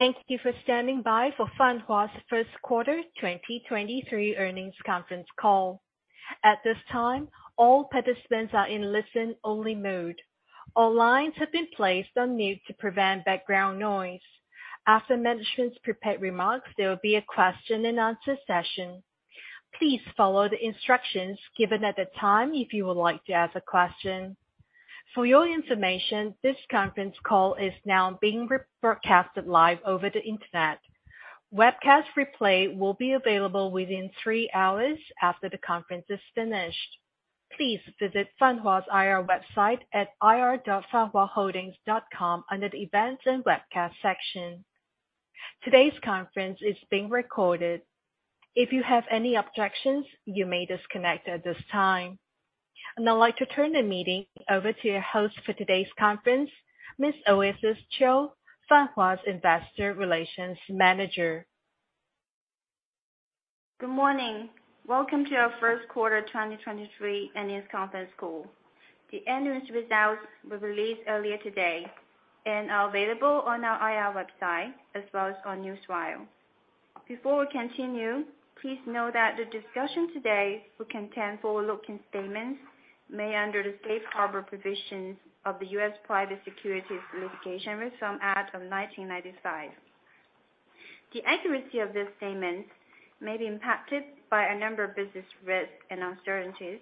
Thank you for standing by for Fanhua's first quarter 2023 earnings conference call. At this time, all participants are in listen-only mode. All lines have been placed on mute to prevent background noise. After management's prepared remarks, there will be a question and answer session. Please follow the instructions given at the time if you would like to ask a question. For your information, this conference call is now being rebroadcasted live over the Internet. Webcast replay will be available within 3 hours after the conference is finished. Please visit Fanhua's IR website at ir.fanhuaholdings.com under the Events and Webcast section. Today's conference is being recorded. If you have any objections, you may disconnect at this time. I'd like to turn the meeting over to your host for today's conference, Ms. Oasis Qiu, Fanhua's Investor Relations Manager. Good morning. Welcome to our first quarter 2023 earnings conference call. The earnings results were released earlier today and are available on our IR website, as well as on Newswire. Before we continue, please note that the discussion today will contain forward-looking statements made under the Safe Harbor provisions of the US Private Securities Litigation Reform Act of 1995. The accuracy of this statement may be impacted by a number of business risks and uncertainties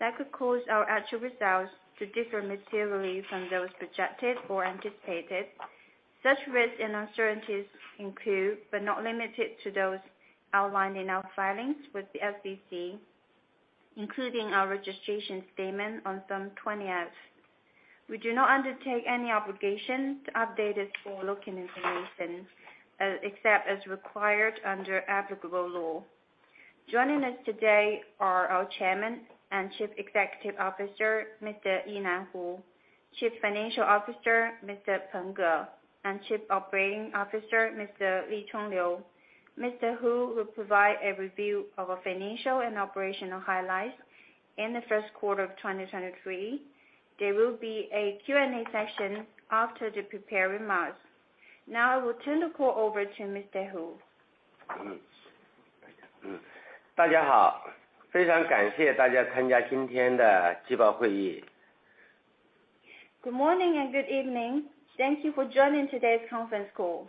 that could cause our actual results to differ materially from those projected or anticipated. Such risks and uncertainties include, but not limited to those outlined in our filings with the SEC, including our registration statement on Form 20-F. We do not undertake any obligation to update this forward-looking information, except as required under applicable law. Joining us today are our Chairman and Chief Executive Officer, Mr. Yinan Hu, Chief Financial Officer, Mr. Peng Ge, and Chief Operating Officer, Mr. Lichong Liu. Mr. Hu will provide a review of our financial and operational highlights in the first quarter of 2023. There will be a Q&A session after the prepared remarks. Now, I will turn the call over to Mr. Hu. 大家 好， 非常感谢大家参加今天的季报会议。Good morning and good evening. Thank you for joining today's conference call.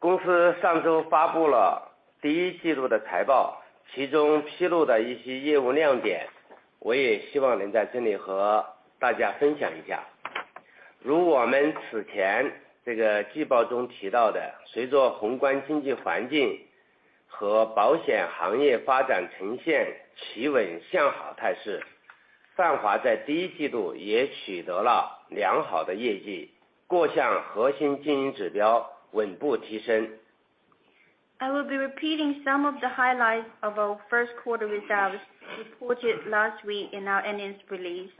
公司上周发布了第一季度的财 报， 其中披露的一些业务亮 点， 我也希望能在这里和大家分享一下。如我们此前这个季报中提到 的， 随着宏观经济环境和保险行业发展呈现企稳向好态 势， 泛华在第一季度也取得了良好的业 绩， 各项核心经营指标稳步提升。I will be repeating some of the highlights of our first quarter results reported last week in our earnings release.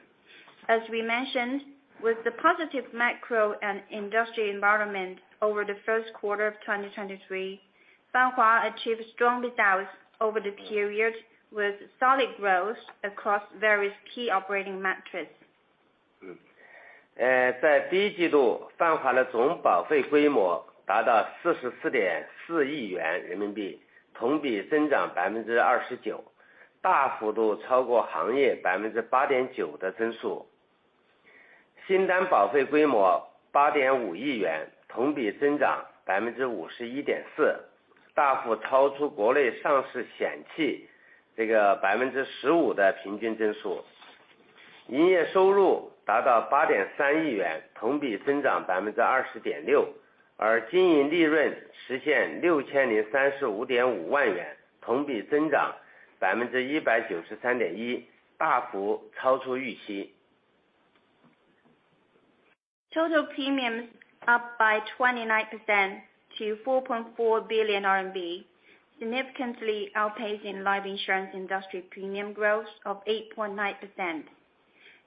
As we mentioned, with the positive macro and industry environment over the first quarter of 2023, Fanhua achieved strong results over the period, with solid growth across various key operating metrics. 嗯， 在第一季 度， 泛华的总保费规模达到四十四点四亿元人民 币， 同比增长百分之二十 九， 大幅度超过行业百分之八点九的增速。新单保费规模八点五亿 元， 同比增长百分之五十一点 四， 大幅超出国内上市险企这个百分之十五的平均增速。营业收入达到八点三亿 元， 同比增长百分之二十点 六， 而经营利润实现六千零三十五点五万 元， 同比增长百分之一百九十三点 一， 大幅超出预期。Total premiums up by 29% to 4.4 billion RMB, significantly outpacing life insurance industry premium growth of 8.9%.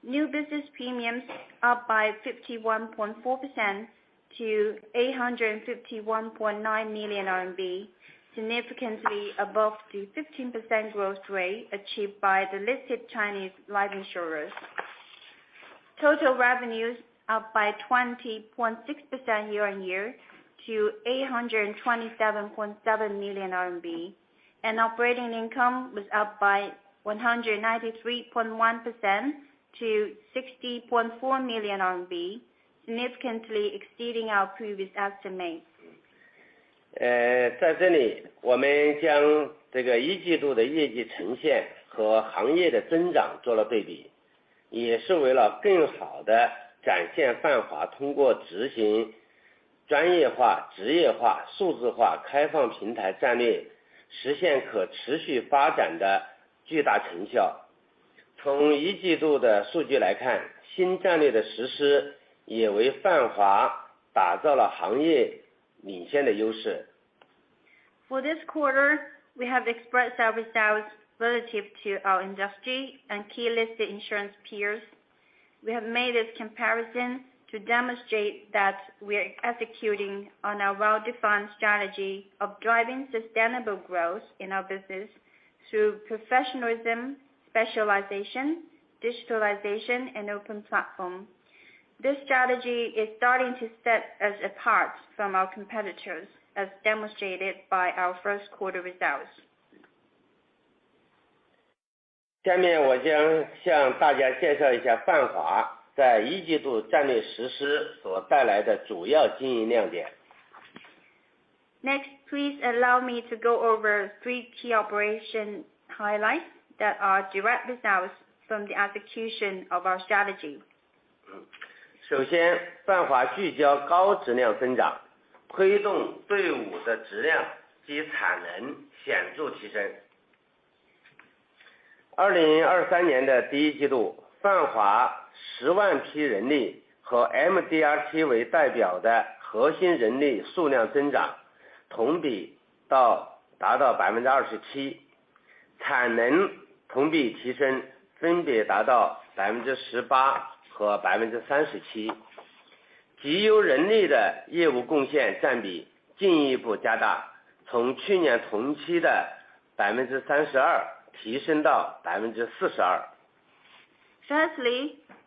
New business premiums up by 51.4% to 851.9 million RMB, significantly above the 15% growth rate achieved by the listed Chinese life insurers. Total revenues up by 20.6% year-over-year to 827.7 million RMB. Operating income was up by 193.1% to 60.4 million RMB, significantly exceeding our previous estimates. 在这里我们将这个一季度的业绩呈现和行业的增长做了对 比, 也是为了更好地展现 Fanhua 通过执行专业化、职业化、数字化开放平台 战略, 实现可持续发展的巨大 成效. 从一季度的数据来 看, 新战略的实施也为 Fanhua 打造了行业领先的 优势. For this quarter, we have expressed our results relative to our industry and key listed insurance peers. We have made this comparison to demonstrate that we are executing on our well-defined strategy of driving sustainable growth in our business through professionalism, specialization, digitalization, and open platform. This strategy is starting to set us apart from our competitors, as demonstrated by our first quarter results. Next, please allow me to go over three key operation highlights that are direct results from the execution of our strategy. Firstly,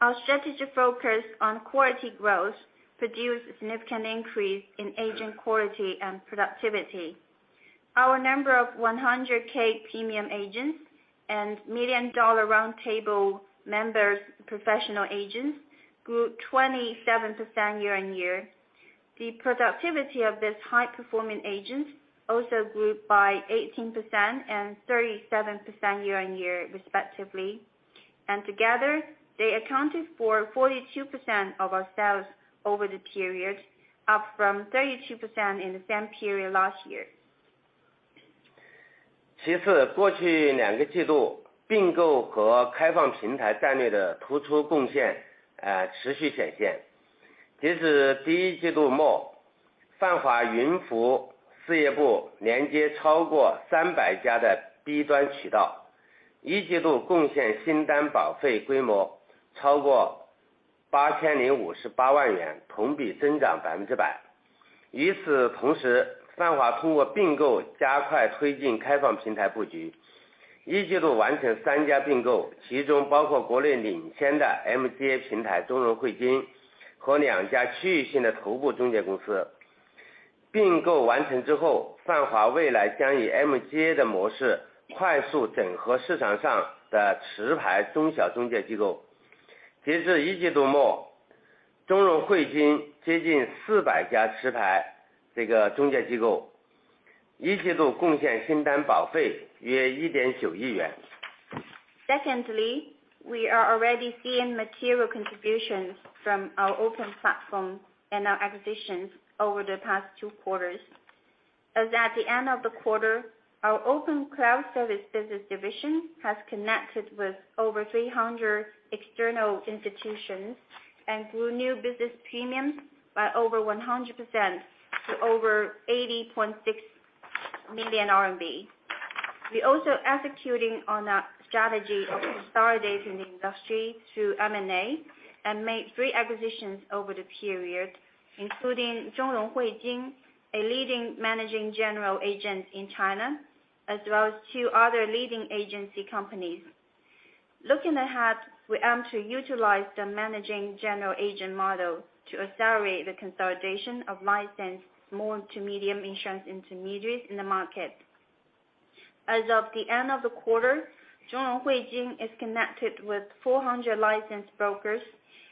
our strategic focus on quality growth produced a significant increase in agent quality and productivity. Our number of 100K premium agents and Million Dollar Round Table members professional agents grew 27% year-on-year. The productivity of this high-performing agents also grew by 18% and 37% year-on-year, respectively, and together, they accounted for 42% of our sales over the period, up from 32% in the same period last year. Secondly, we are already seeing material contributions from our open platform and our acquisitions over the past two quarters. As at the end of the quarter, our open cloud service business division has connected with over 300 external institutions and grew new business premiums by over 100% to over RMB 80.6 million. We also executing on our strategy of consolidating the industry through M&A, and made three acquisitions over the period, including Zhongrong Huijin, a leading managing general agent in China, as well as two other leading agency companies. Looking ahead, we aim to utilize the managing general agent model to accelerate the consolidation of licensed small to medium insurance intermediaries in the market. As of the end of the quarter, Zhongrong Huijin is connected with 400 licensed brokers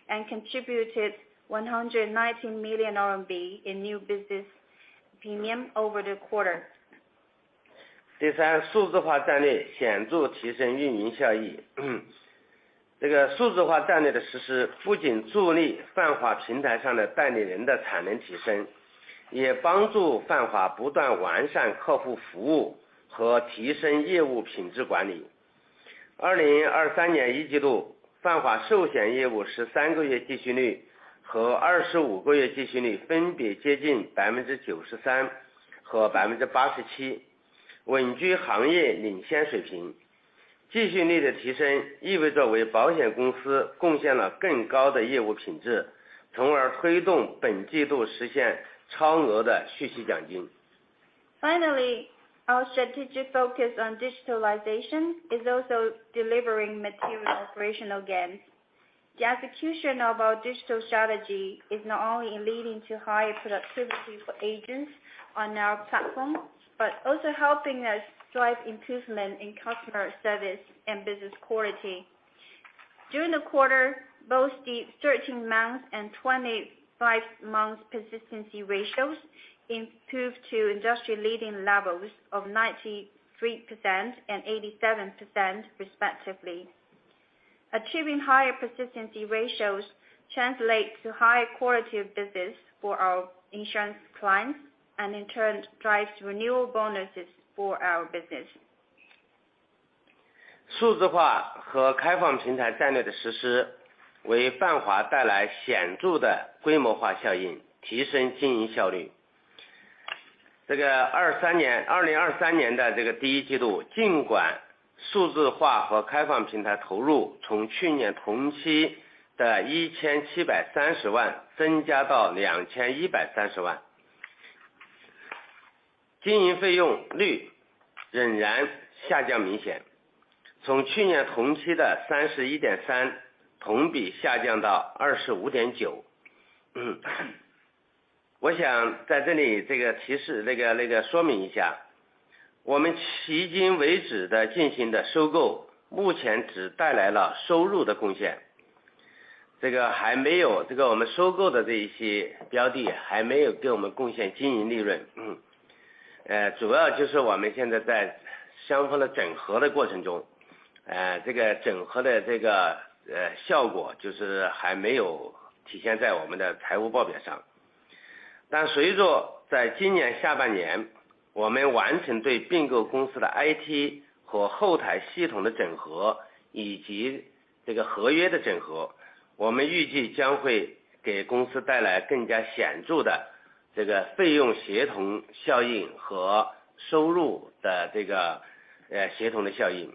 and contributed 119 million RMB in new business premium over the quarter. Finally, our strategic focus on digitalization is also delivering material operational gains. The execution of our digital strategy is not only leading to higher productivity for agents on our platform, but also helping us drive improvement in customer service and business quality. During the quarter, both the 13th-month and 25th-month persistency ratios improved to industry leading levels of 93% and 87% respectively. Achieving higher persistency ratios translate to higher quality of business for our insurance clients and in turn drives renewal bonuses for our business. ...经营费用率仍然下降明 显， 从去年同期的 31.3% 同比下降到 25.9%。我想在这里这个提 示， 那 个， 那个说明一 下， 我们迄今为止的进行的收 购， 目前只带来了收入的贡 献， 这个还没 有， 这个我们收购的这一些标的还没有给我们贡献经营利润。主要就是我们现在在相互的整合的过程 中， 这个整合的这个效果就是还没有体现在我们的财务报表上。但随着在今年下半 年， 我们完成对并购公司的 IT 和后台系统的整 合， 以及这个合约的整 合， 我们预计将会给公司带来更加显著的这个费用协同效应和收入的这个协同的效应。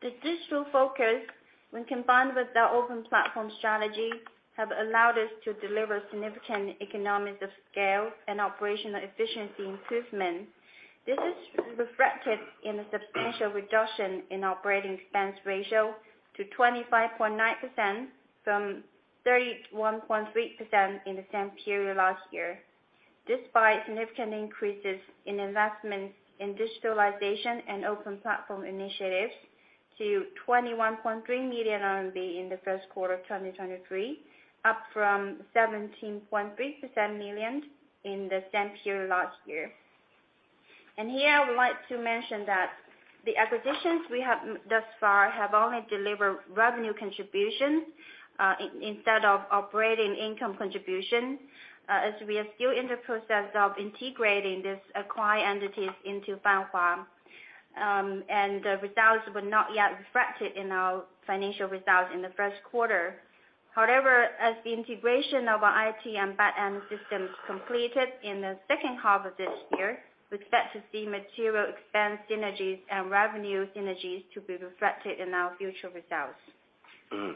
The digital focus, when combined with the open platform strategy, have allowed us to deliver significant economies of scale and operational efficiency improvement. This is reflected in the substantial reduction in operating expense ratio to 25.9% from 31.3% in the same period last year, despite significant increases in investments in digitalization and open platform initiatives to 21.3 million RMB in the first quarter of 2023, up from 17.3% million in the same period last year. Here I would like to mention that the acquisitions we have thus far have only delivered revenue contribution, instead of operating income contribution, as we are still in the process of integrating these acquired entities into Fanhua, and the results were not yet reflected in our financial results in the first quarter. However, as the integration of our IT and back-end systems completed in the second half of this year, we expect to see material expense synergies and revenue synergies to be reflected in our future results. 嗯，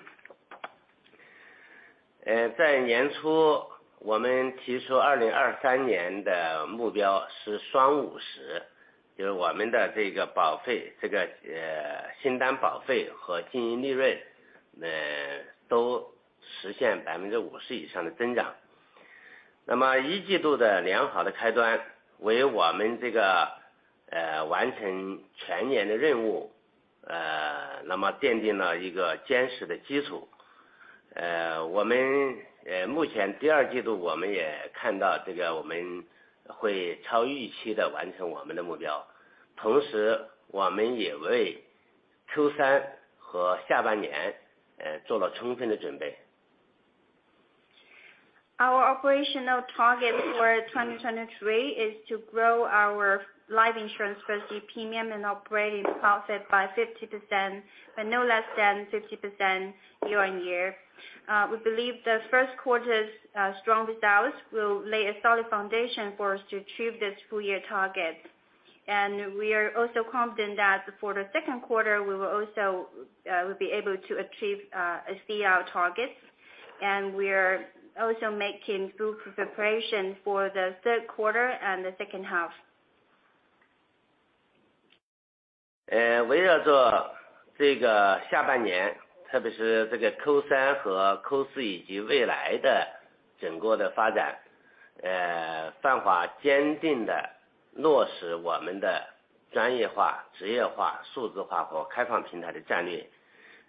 呃， 在年初我们提出二零二三年的目标是双五 十， 就是我们的这个保 费， 这 个， 呃， 新单保费和经营利 润， 呃， 都实现百分之五十以上的增长。那么一季度的良好的开 端， 为我们这 个， 呃， 完成全年的任 务， 呃， 那么奠定了一个坚实的基础。呃， 我 们， 呃， 目前第二季度我们也看 到， 这个我们会超预期的完成我们的目 标， 同时我们也为 Q 三和下半 年， 呃， 做了充分的准备。Our operational target for 2023 is to grow our life insurance policy, premium and operating profit by 50%, and no less than 50% year-over-year. We believe the first quarter's strong results will lay a solid foundation for us to achieve this full year target. We are also confident that for the second quarter, we will also be able to achieve, exceed our targets, and we are also making good preparation for the third quarter and the second half. 呃， 围绕着这个下半 年， 特别是这个 Q 三和 Q 四， 以及未来的整个的发 展， 呃， 泛华坚定地落实我们的专业化、职业化、数字化和开放平台的战 略，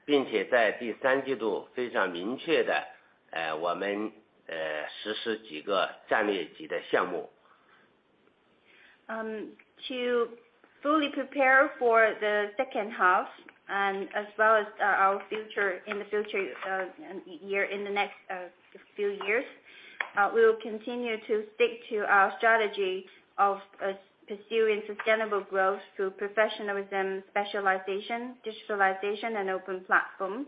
并且在第三季度非常明确 地， 呃， 我 们， 呃， 实施几个战略级的项目。To fully prepare for the second half and as well as our future, in the future, year, in the next few years, we will continue to stick to our strategy of pursuing sustainable growth through professionalism, specialization, digitalization, and open platform.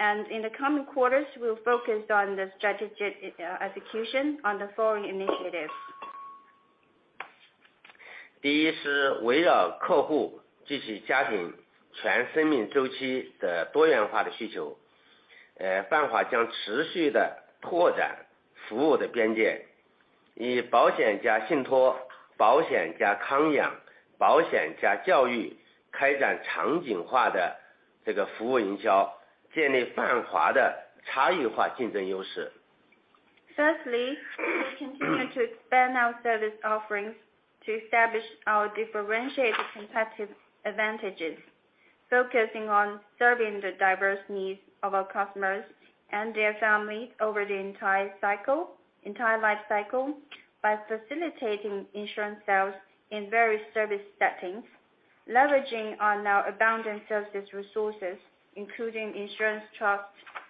In the coming quarters, we will focus on the strategic execution on the following initiatives. 第一是围绕客户及其家庭全生命周期的多元化的需 求， 泛华将持续地拓展服务的边 界， 以保险加信托、保险加康养、保险加教 育， 开展场景化的这个服务营 销， 建立泛华的差异化竞争优势。Firstly, we continue to expand our service offerings to establish our differentiated competitive advantages, focusing on serving the diverse needs of our customers and their families over the entire life cycle, by facilitating insurance sales in various service settings, leveraging on our abundant services resources, including insurance, trust,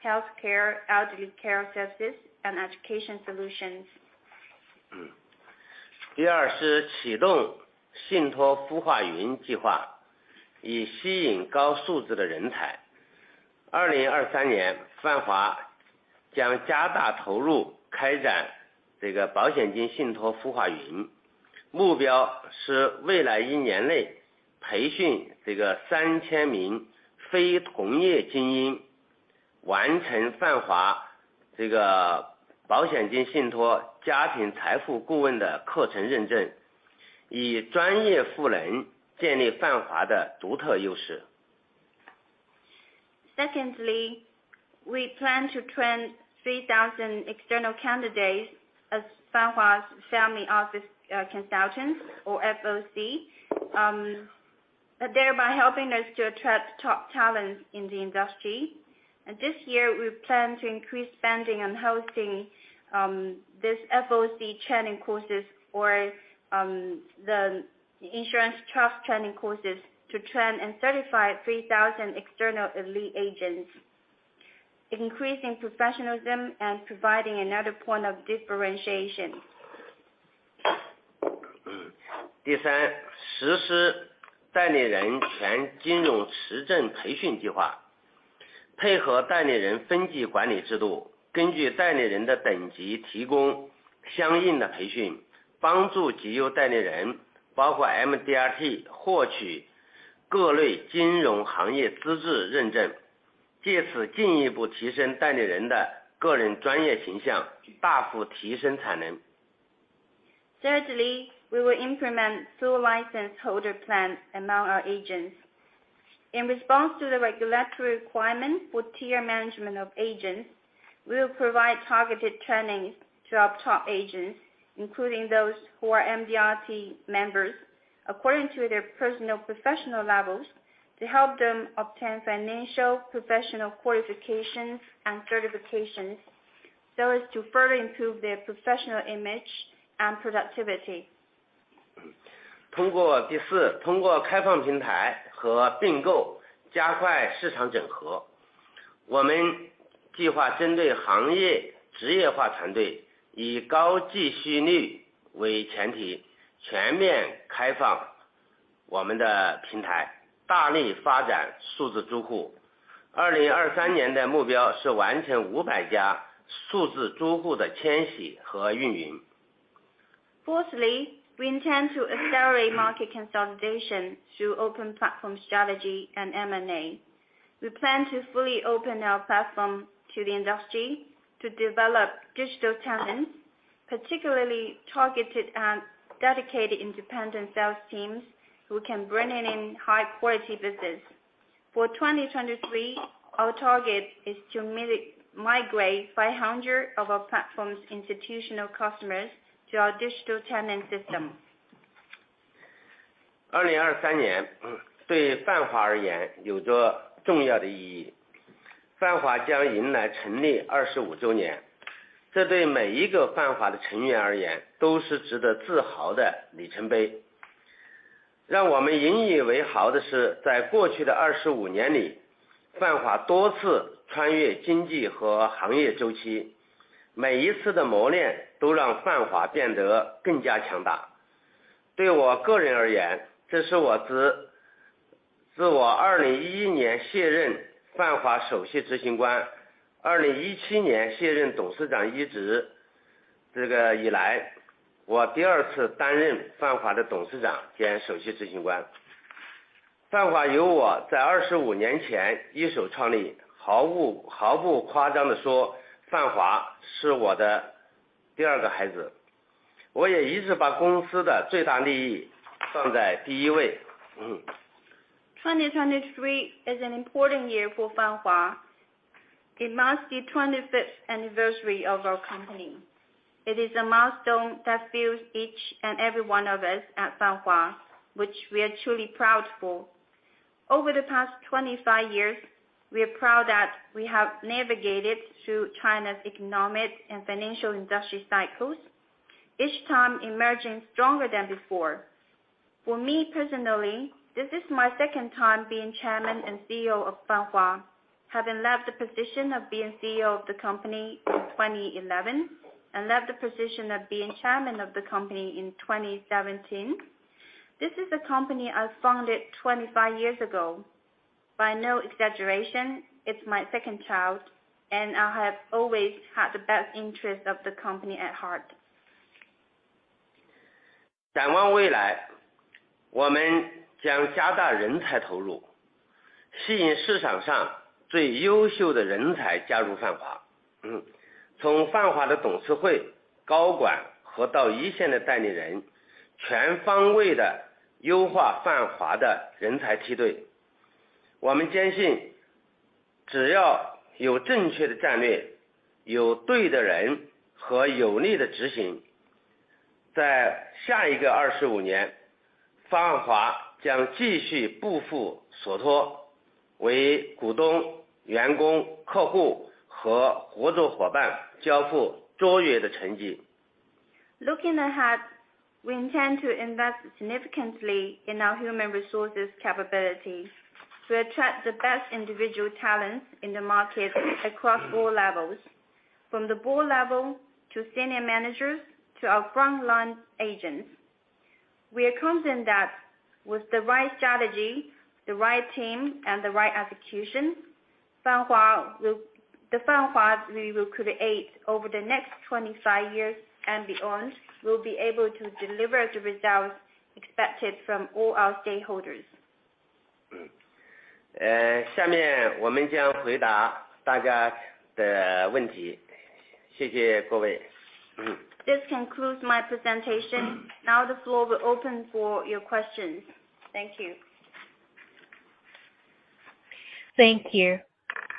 healthcare, elderly care services, and education solutions. 嗯。第二是启动信托孵化云计 划， 以吸引高素质的人才。二零二三 年， 泛华将加大投 入， 开展这个保险金信托孵化 云， 目标是未来一年内培训这个三千名非同业精 英。... 完成泛华这个保险经信托家庭财富顾问的课程认 证， 以专业富人建立泛华的独特优势。Secondly, we plan to train 3,000 external candidates as Fanhua's Family Office Consultants or FOC, and thereby helping us to attract top talents in the industry. This year, we plan to increase spending on hosting this FOC training courses or the insurance trust training courses to train and certify 3,000 external elite agents, increasing professionalism and providing another point of differentiation. 嗯。第 三， 实施代理人全金融持证培训计 划， 配合代理人分级管理制 度， 根据代理人的等级提供相应的培 训， 帮助集优代理 人， 包括 MDRT， 获取各类金融行业资质认 证， 借此进一步提升代理人的个人专业形 象， 大幅提升产能。Thirdly, we will implement full license holder plan among our agents. In response to the regulatory requirements for tier management of agents, we will provide targeted training to our top agents, including those who are MDRT members, according to their personal professional levels, to help them obtain financial professional qualifications and certifications, so as to further improve their professional image and productivity. 通过。第 四， 通过开放平台和并购加快市场整合。我们计划针对行业职业化团 队， 以高继续率为前 提， 全面开放我们的平 台， 大力发展数字租户。二零二三年的目标是完成五百家数字租户的迁徙和运营。Fourthly, we intend to accelerate market consolidation through open platform strategy and M&A. We plan to fully open our platform to the industry to develop digital talents, particularly targeted and dedicated independent sales teams who can bring in high quality business. For 2023, our target is to migrate 500 of our platform's institutional customers to our digital talent system. 二零二三 年， 对泛华而言有着重要的意义。泛华将迎来成立二十五周 年， 这对每一个泛华的成员而 言， 都是值得自豪的里程碑。让我们引以为豪的 是， 在过去的二十五年 里， 泛华多次穿越经济和行业周 期， 每一次的磨练都让泛华变得更加强大。对我个人而 言， 这是我 自， 自我二零一一年卸任泛华首席执行 官， 二零一七年卸任董事长一 职， 这个以 来， 我第二次担任泛华的董事长兼首席执行官。泛华由我在二十五年前一手创 立， 毫 无， 毫不夸张地 说， 泛华是我的第二个孩 子， 我也一直把公司的最大利益放在第一位。嗯。2023 is an important year for Fanhua. It marks the 25th anniversary of our company. It is a milestone that fills each and every one of us at Fanhua, which we are truly proud for. Over the past 25 years, we are proud that we have navigated through China's economic and financial industry cycles, each time emerging stronger than before. For me personally, this is my second time being Chairman and CEO of Fanhua. Having left the position of being CEO of the company in 2011, and left the position of being Chairman of the company in 2017. This is a company I founded 25 years ago. By no exaggeration, it's my second child, and I have always had the best interest of the company at heart. 展望未 来， 我们将加大人才投 入， 吸引市场上最优秀的人才加入泛华。嗯， 从泛华的董事会、高管和到一线的代理 人， 全方位地优化泛华的人才梯队。我们坚 信， 只要有正确的战 略， 有对的人和有力的执 行， 在下一个二十五 年， 泛华将继续不负所 托， 为股东、员工、客户和合作伙伴交付卓越的成绩。Looking ahead, we intend to invest significantly in our human resources capability to attract the best individual talents in the market across all levels, from the board level to senior managers to our frontline agents. We are confident that with the right strategy, the right team, and the right execution, the Fanhua we will create over the next 25 years and beyond, will be able to deliver the results, expected from all our stakeholders. 下面我们将回答大家的问题。谢谢各位。This concludes my presentation. Now the floor will open for your questions. Thank you! Thank you.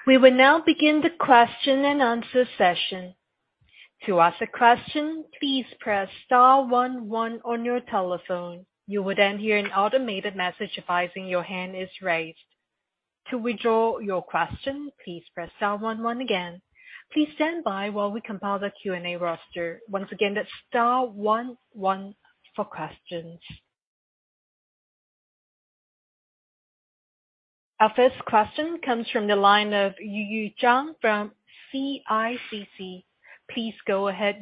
We will now begin the question and answer session. To ask a question, please press star 11 on your telephone. You will then hear an automated message advising your hand is raised. To withdraw your question, please press star 11 again. Please stand by while we compile the Q&A roster. Once again, that star 11 for questions. Our first question comes from the line of Yuyu Zhang from CICC. Please go ahead,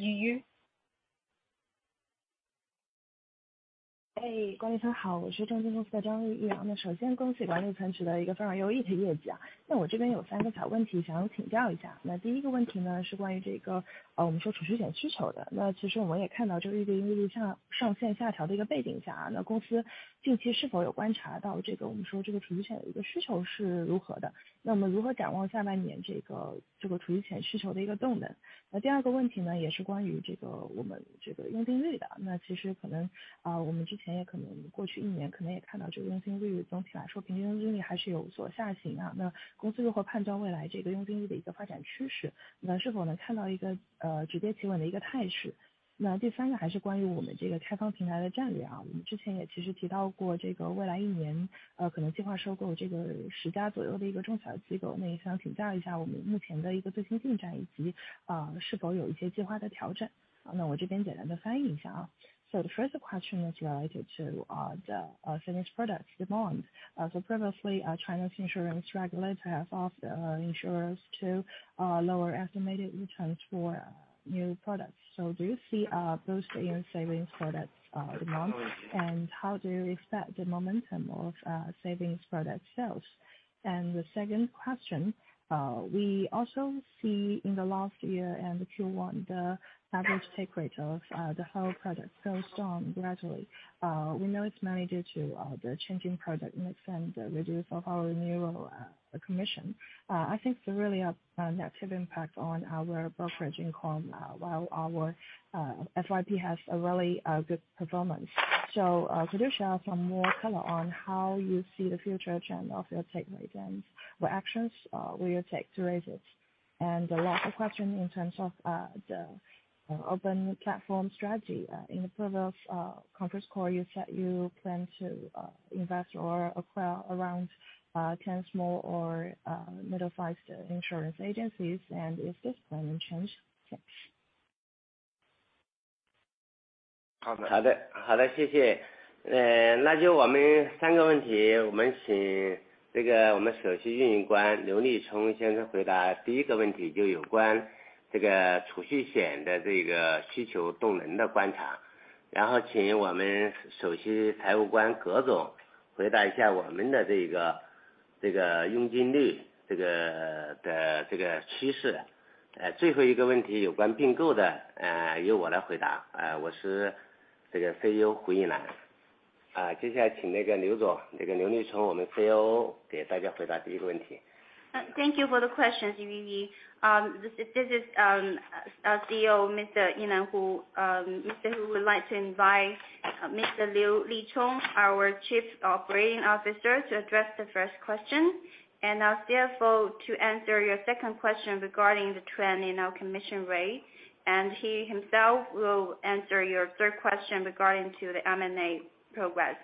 Yuyu. 哎， 管理层 好， 我是中信公司的张玉玉。那首先恭喜管理层取得一个非常优异的业绩啊。那我这边有三个小问题想要请教一下。那第一个问题 呢， 是关于这 个， 呃， 我们说储蓄险需求的。那其实我们也看 到， 这个预定利率上-上限下调的一个背景 下， 啊， 那公司近期是否有观察 到， 这个我们说这个储蓄险的一个需求是如何的，那么如何展望下半年这 个， 这个储蓄险需求的一个动 能？ 那第二个问题 呢， 也是关于这个我们这个佣金率 的， 那其实可 能， 啊， 我们之前也可能过去一年可能也看到这个佣金率总体来说平均佣金率还是有所下行 啊， 那公司如何判断未来这个佣金率的一个发展趋 势， 那是否能看到一 个， 呃， 止跌企稳的一个态势？那第三个还是关于我们这个开放平台的战略 啊， 我们之前也其实提到 过， 这个未来一 年， 呃， 可能计划收购这个十家左右的一个中小机 构， 那也想请教一下我们目前的一个最新进 展， 以 及， 呃， 是否有一些计划的调整。那我这边简单的翻译一下啊。So the first question is related to uh, the uh, finished product demand. Previously, China's insurance regulator has asked insurers to lower estimated returns for new products. Do you see those in savings products demand? How do you expect the momentum of savings product sales? The second question, we also see in the last year and Q1, the average take rate of the whole product goes down gradually. We know it's mainly due to the changing product mix and the reduce of our renewal commission. I think it's really a negative impact on our brokerage income, while our FYP has a really good performance. Could you share some more color on how you see the future trend of your take rate and what actions will you take to raise it? The last question in terms of the open platform strategy, in the previous conference call, you said you plan to invest or acquire around 10 small or middle size insurance agencies, and is this plan changed? Thanks. 好 的， 好 的， 谢谢。呃， 那就我们三个问 题， 我们请这个我们首席运营官刘立聪先生回答。第一个问题就有关这个储蓄险的这个需求动能的观察。然后请我们首席财务官葛总回答一下我们的这 个， 这个佣金 率， 这 个， 的这个趋势。呃， 最后一个问 题， 有关并购 的， 呃， 由我来回 答， 呃， 我是这个 CEO 胡翼楠。呃， 接下来请那个刘 总， 这个刘立 聪， 我们 COO 给大家回答第一个问题。Thank you for the questions, Yuyu Zhang. This is CEO, Mr. Yinan Hu. Mr. Hu would like to invite Mr. Lichong Liu, our Chief Operating Officer, to address the first question and our CFO to answer your second question regarding the trend in our commission rate, and he himself will answer your third question regarding to the M&A progress.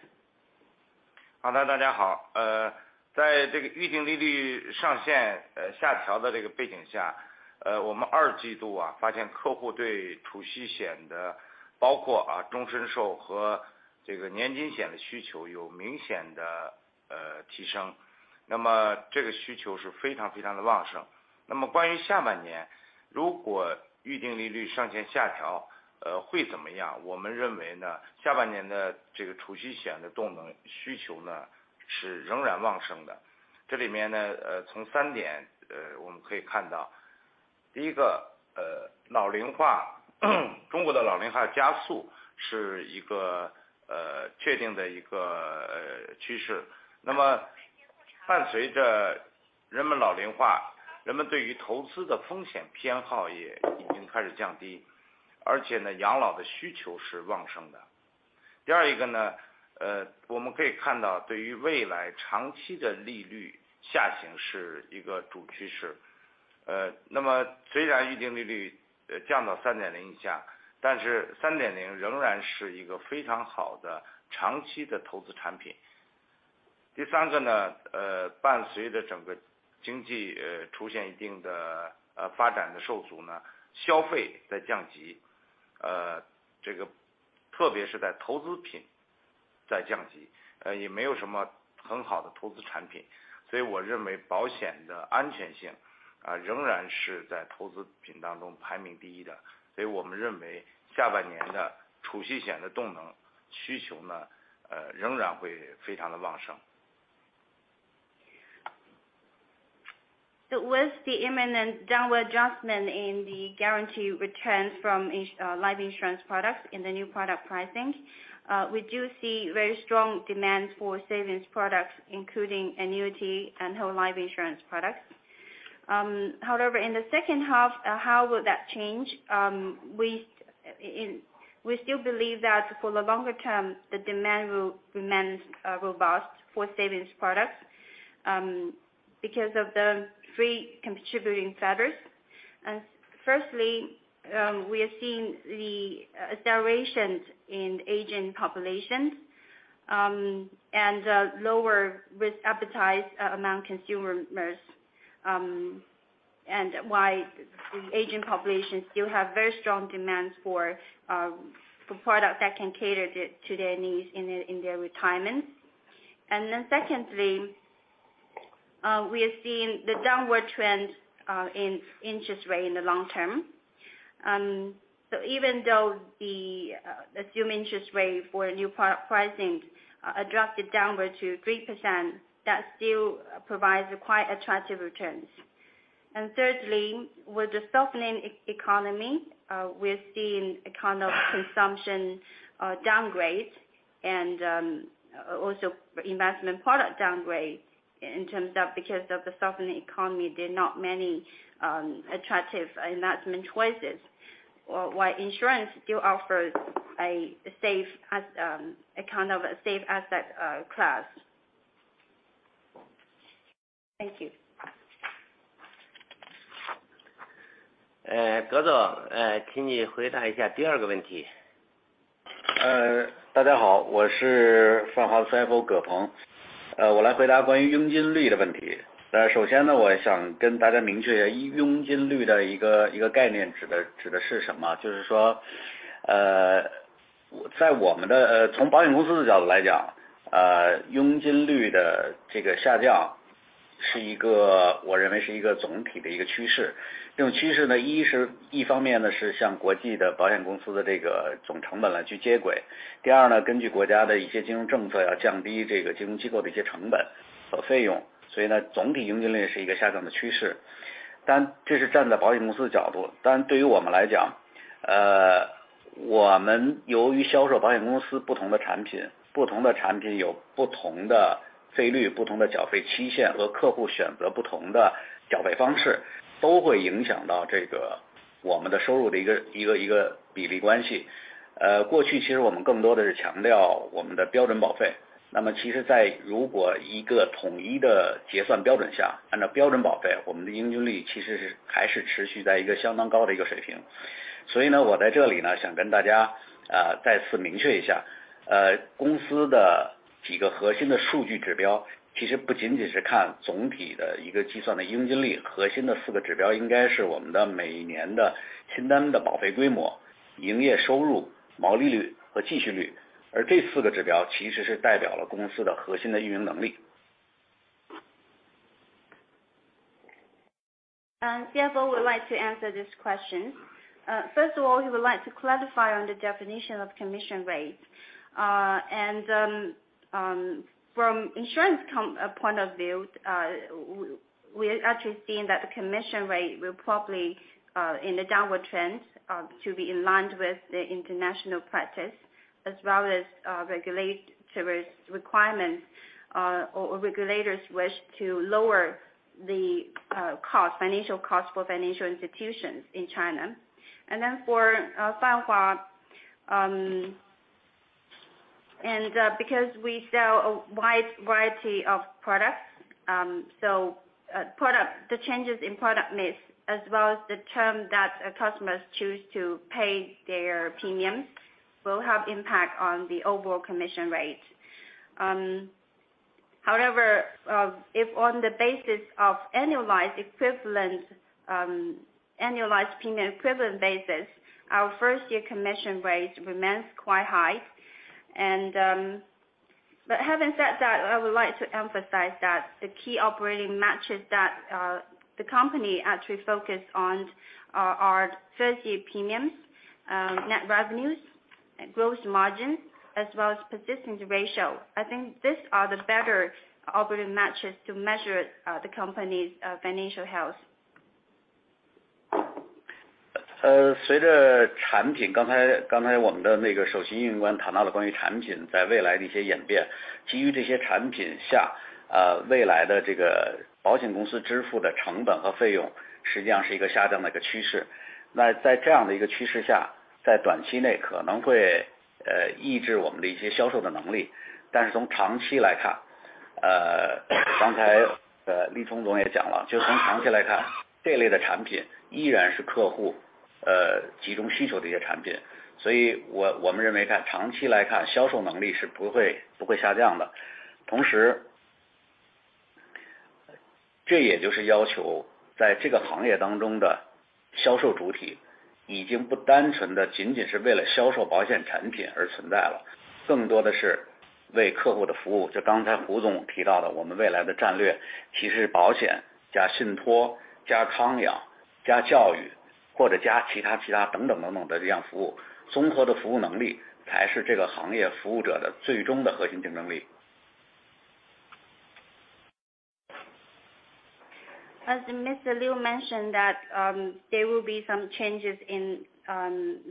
好 的， 大家 好， 呃， 在这个预定利率上限 呃， 下调的这个背景 下， 呃， 我们二季度 啊， 发现客户对储蓄险的包括 啊， 终身寿和这个年金险的需求有明显 的， 呃， 提 升， 那么这个需求是非常非常的旺盛。那么关于下半 年， 如果预定利率上限下 调， 呃， 会怎么 样？ 我们认为 呢， 下半年的这个储蓄险的动能需求呢，是仍然旺盛的。这里面 呢， 呃， 从三 点， 呃， 我们可以看 到， 第一 个， 呃， 老龄 化， 中国的老龄化加速是一 个， 呃， 确定的一 个， 呃， 趋势。那么伴随着人们老龄 化， 人们对于投资的风险偏好也已经开始降 低， 而且 呢， 养老的需求是旺盛的。第二一个呢， 呃， 我们可以看 到， 对于未来长期的利率下行是一个主趋势。呃， 那么虽然预定利 率， 呃， 降到三点零以 下， 但是三点零仍然是一个非常好的长期的投资产品。第三个 呢， 呃， 伴随着整个经 济， 呃， 出现一定 的， 呃， 发展的受阻 呢， 消费在降 级， 呃， 这个特别是在投资品在降 级， 呃， 也没有什么很好的投资产 品， 所以我认为保险的安全 性， 呃， 仍然是在投资品当中排名第一的。所以我们认为下半年的储蓄险的动能需求 呢， 呃， 仍然会非常的旺盛。With the imminent downward adjustment in the guarantee returns from life insurance products in the new product pricing, we do see very strong demand for savings products, including annuity and whole life insurance products. However, in the second half, how will that change? We still believe that for the longer term, the demand will remain robust for savings products, because of the three contributing factors. Firstly, we are seeing the accelerations in aging population, and lower risk appetite among consumers. While the aging population still have very strong demands for products that can cater to their needs in their retirement. Secondly, we are seeing the downward trend in interest rate in the long term. Even though the assumed interest rate for a new product pricing adjusted downward to 3%, that still provides a quite attractive returns. Thirdly, with the softening economy, we're seeing a kind of consumption downgrade and also investment product downgrade in terms of because of the softening economy, there are not many attractive investment choices. While insurance still offers a safe, a kind of a safe asset class. Thank you. 呃， 葛 总， 呃， 请你回答一下第二个问题。呃， 大家 好， 我是富豪 CFO 葛 鹏， 呃， 我来回答关于佣金率的问题。呃， 首先 呢， 我想跟大家明确一 下， 佣金率的一 个， 一个概 念， 指 的， 指的是什 么？ 就是 说， 呃， 在我们 的... 呃， 从保险公司的角度来 讲， 呃， 佣金率的这个下降是一个我认为是一个总体的一个趋势。这种趋势 呢， 一 是， 一方面 呢， 是向国际的保险公司的这个总成本来去接 轨， 第二 呢， 根据国家的一些金融政 策， 要降低这个金融机构的一些成本和费用，所以 呢， 总体佣金率是一个下降的趋 势， 但这是站在保险公司的角度。但对于我们来 讲， 呃， 我们由于销售保险公司不同的产 品， 不同的产品有不同的费 率， 不同的缴费期限和客户选择不同的缴费方 式， 都会影响到这个我们的收入的一 个， 一 个， 一个比例关系。呃， 过去其实我们更多的是强调我们的标准保费，那么其实在如果一个统一的结算标准 下， 按照标准保 费， 我们的佣金率其实是还是持续在一个相当高的一个水平。所以 呢， 我在这里 呢， 想跟大 家， 呃， 再次明确一 下， 呃， 公司的几个核心的数据指 标， 其实不仅仅是看总体的一个计算的佣金 率， 核心的四个指标应该是我们的每年的新单的保费规模、营业收入、毛利率和继续率，而这四个指标其实是代表了公司的核心的运营能力。CFO would like to answer this question. First of all, he would like to clarify on the definition of commission rate. From insurance point of view, we are actually seeing that the commission rate will probably in a downward trend to be in line with the international practice as well as regulatory requirements or regulators wish to lower the cost, financial costs for financial institutions in China. For Fanhua, and because we sell a wide variety of products, so the changes in product mix as well as the term that customers choose to pay their premiums will have impact on the overall commission rate. However, if on the basis of annualized premium equivalent basis, our first year commission rate remains quite high. But having said that, I would like to emphasize that the key operating metrics that the company actually focus on are first year premiums, net revenues and gross margin as well as persistency ratio. I think these are the better operating metrics to measure the company's financial health. 随着产 品， 刚才我们的那个首席运营官谈到了关于产品在未来的一些演 变， 基于这些产品 下， 未来的这个保险公司支付的成本和费用实际上是一个下降的一个趋势。在这样的一个趋势 下， 在短期内可能会抑制我们的一些销售的能力。从长期来 看， 刚才立聪总也讲 了， 就从长期来 看， 这类的产品依然是客户集中需求的一些产 品， 所以我们认为在长期来 看， 销售能力是不会下降的。这也就是要求在这个行业当中的销售主体，已经不单纯的仅仅是为了销售保险产品而存在 了， 更多的是为客户的服务。就刚才胡总提到 的， 我们未来的战略其实是保险加信托加康养加教 育。... 或者加其 他， 其他等等的这样服 务， 综合的服务能力才是这个行业服务者的最终的核心竞争 力. As Mr. Liu mentioned that, there will be some changes in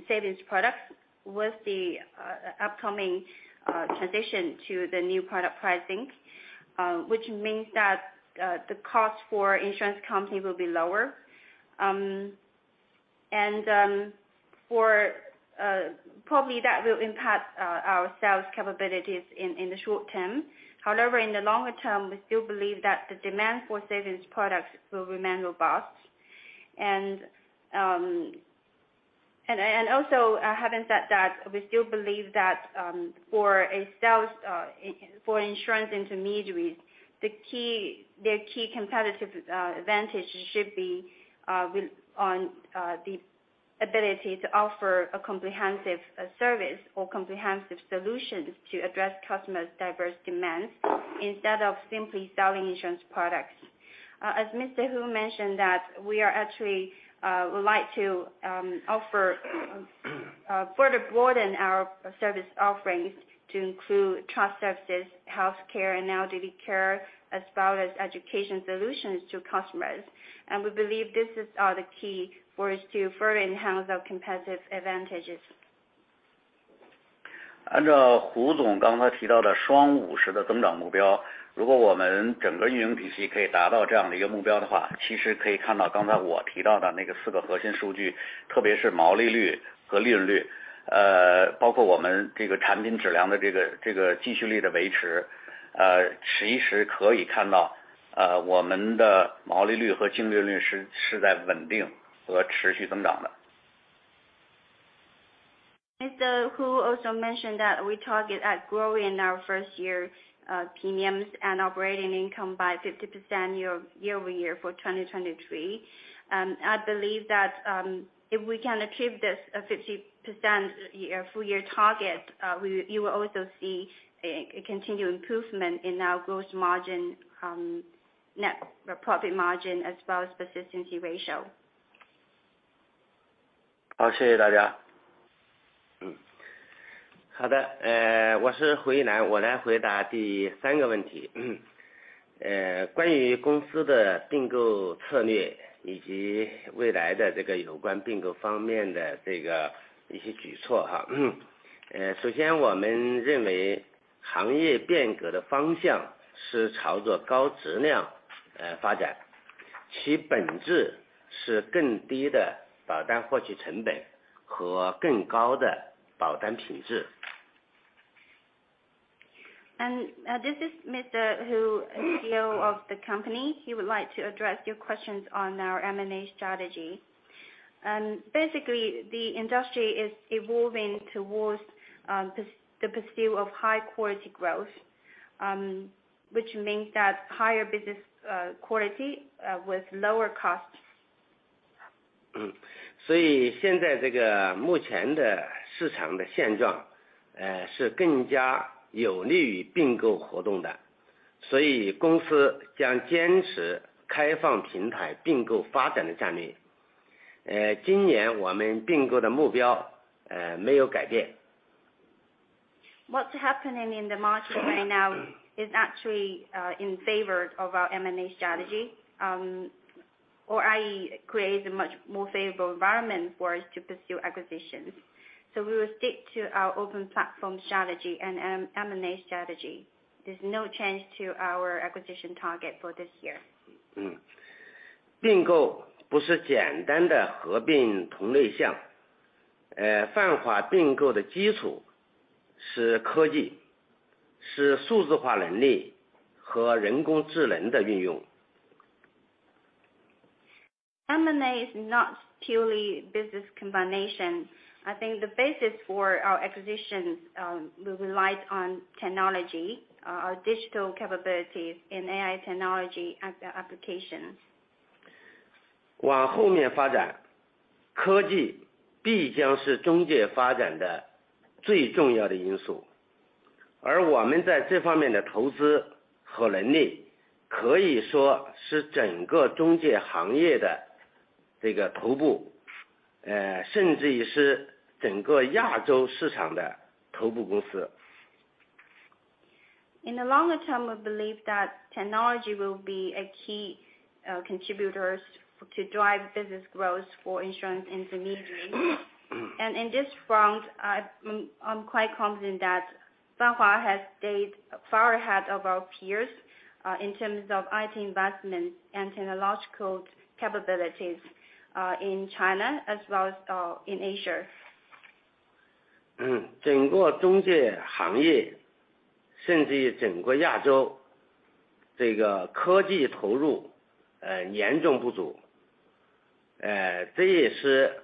savings products with the upcoming transition to the new product pricing, which means that the cost for insurance company will be lower. Probably that will impact our sales capabilities in the short term. However, in the longer term, we still believe that the demand for savings products will remain robust. Also, having said that, we still believe that for a sales, for insurance intermediaries, their key competitive advantage should be, will on the ability to offer a comprehensive service or comprehensive solutions to address customers diverse demands, instead of simply selling insurance products. As Mr. Hu mentioned that we are actually would like to offer further broaden our service offerings to include trust services, healthcare and now duty care, as well as education solutions to customers. We believe this is are the key for us to further enhance our competitive advantages. 按照胡总刚才提到的双五十的增长目 标， 如果我们整个运营体系可以达到这样的一个目标的 话， 其实可以看到刚才我提到的那个4个核心数 据， 特别是毛利率和利润 率， 包括我们这个产品质量的这个继续力的维 持， 其实可以看 到， 我们的毛利率和净利润率是在稳定和持续增长 的. Mr. Hu also mentioned that we target at growing our first year premiums and operating income by 50% year-over-year for 2023. I believe that if we can achieve this 50% full year target, you will also see a continued improvement in our gross margin, net profit margin as well as persistency ratio. 好， 谢谢大家。嗯， 好 的， 呃， 我是胡义 男， 我来回答第三个问题。呃， 关于公司的并购策 略， 以及未来的这个有关并购方面的这个一些举措哈。呃， 首先我们认为行业变革的方向是朝着高质量 呃， 发 展， 其本质是更低的保单获取成本和更高的保单品质。This is Mr. Hu, CEO of the company. He would like to address your questions on our M&A strategy. Basically, the industry is evolving towards the pursuit of high quality growth, which means that higher business quality with lower costs. 嗯， 所以现在这个目前的市场的现 状， 呃， 是更加有利于并购活动 的， 所以公司将坚持开放平台并购发展的战略。呃， 今年我们并购的目标 呃， 没有改变。What's happening in the market right now is actually in favor of our M&A strategy. I.e., creates a much more favorable environment for us to pursue acquisitions. We will stick to our open platform strategy and M&A strategy. There's no change to our acquisition target for this year. 并购不是简单的 合并同类项， 泛华并购的基础是 科技， 是数字化能力和人工智能的运用。M&A is not purely business combination. I think the basis for our acquisitions, will rely on technology, our digital capabilities in AI technology and applications. 往后面发 展， 科技必将是中介发展的最重要的因 素， 而我们在这方面的投资和能 力， 可以说是整个中介行业的这个头 部， 甚至于是整个亚洲市场的头部公司。In the longer term, we believe that technology will be a key contributors to drive business growth for insurance intermediaries. In this front, I'm quite confident that Fanhua has stayed far ahead of our peers, in terms of IT investment and technological capabilities, in China as well as, in Asia. 嗯， 整个中介行 业， 甚至于整个亚 洲， 这个科技投 入， 呃， 严重不 足， 呃， 这也是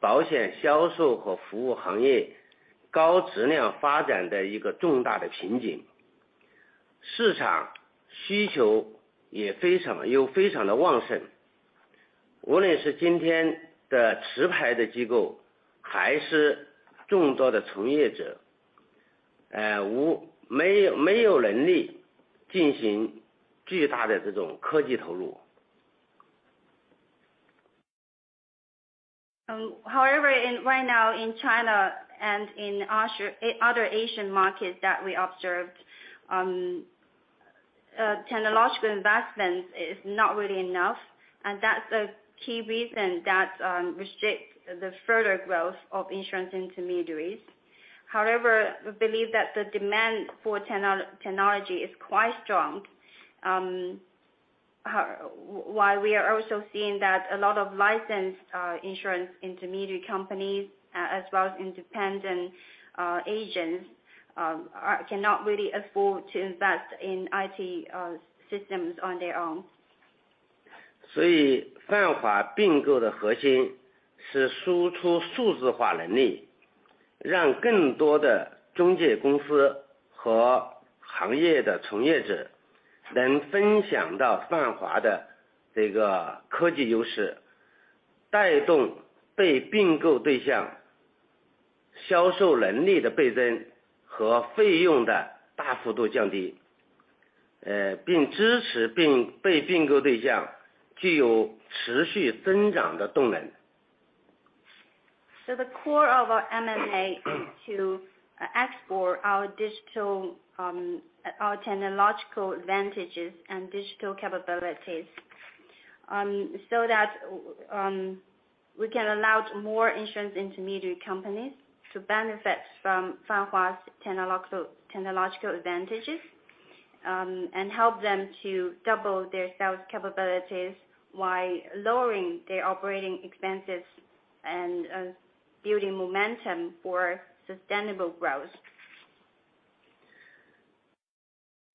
保险销售和服务行业高质量发展的一个重大的情景。市场需求也非 常， 又非常的旺 盛， 无论是今天的持牌的机 构， 还是众多的从业 者。... uh, 无， 没 有， 没有能力进行巨大的这种科技投入。However, in right now in China and in Asia, other Asian markets that we observed, technological investment is not really enough, and that's a key reason that restrict the further growth of insurance intermediaries. However, we believe that the demand for technology is quite strong. While we are also seeing that a lot of licensed, insurance intermediary companies, as well as independent, agents, cannot really afford to invest in IT, systems on their own. Fanhua 并购的核心是输出数字化能 力, 让更多的中介公司和行业的从业者能分享到 Fanhua 的这个科技优 势, 带动被并购对象销售能力的倍增和费用的大幅度降 低, 并支持并被并购对象具有持续增长的动 能. The core of our M&A is to export our digital, our technological advantages and digital capabilities, so that we can allow more insurance intermediary companies to benefit from Fanhua's technological advantages, and help them to double their sales capabilities while lowering their operating expenses and building momentum for sustainable growth.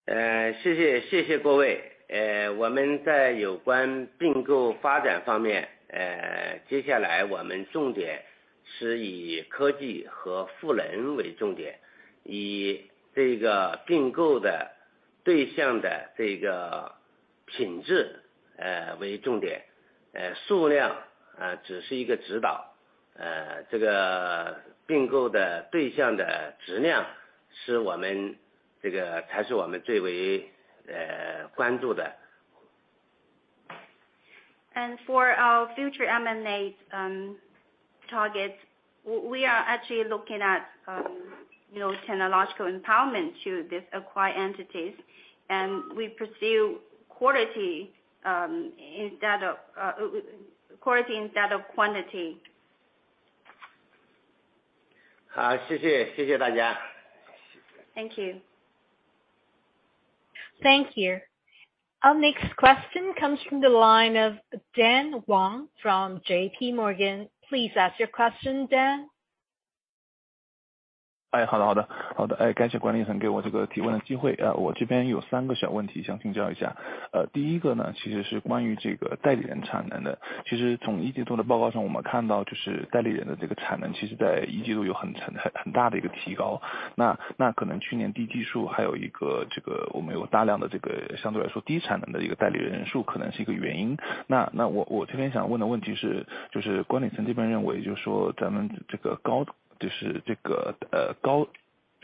呃， 谢 谢， 谢谢各位。呃， 我们在有关并购发展方 面， 呃， 接下来我们重点是以科技和赋能为重 点， 以这个并购的对象的这个品质， 呃， 为重 点， 呃， 数 量， 呃， 只是一个指导。呃， 这个并购的对象的质量是我们这个才是我们最 为， 呃， 关注的。For our future M&A targets, we are actually looking at, you know, technological empowerment to these acquired entities. We pursue quality instead of quantity. 好, 谢谢, 谢谢大家. Thank you. Thank you. Our next question comes from the line of Dan Wang from JP Morgan. Please ask your question, Dan. 哎， 好 的， 好 的， 好 的， 哎， 感谢管理层给我这个提问的机会。呃， 我这边有三个小问题想请教一下。呃， 第一个 呢， 其实是关于这个代理人产能 的， 其实从一季度的报告 上， 我们看到就是代理人的这个产 能， 其实在一季度有很 产， 很， 很大的一个提 高， 那， 那可能去年低基 数， 还有一 个， 这个我们有大量的这个相对来说低产能的一个代理人 数， 可能是一个原因。那， 那 我， 我这边想问的问题 是， 就是管理层这边认 为， 就是说咱们这个 高， 就是这 个， 呃， 高，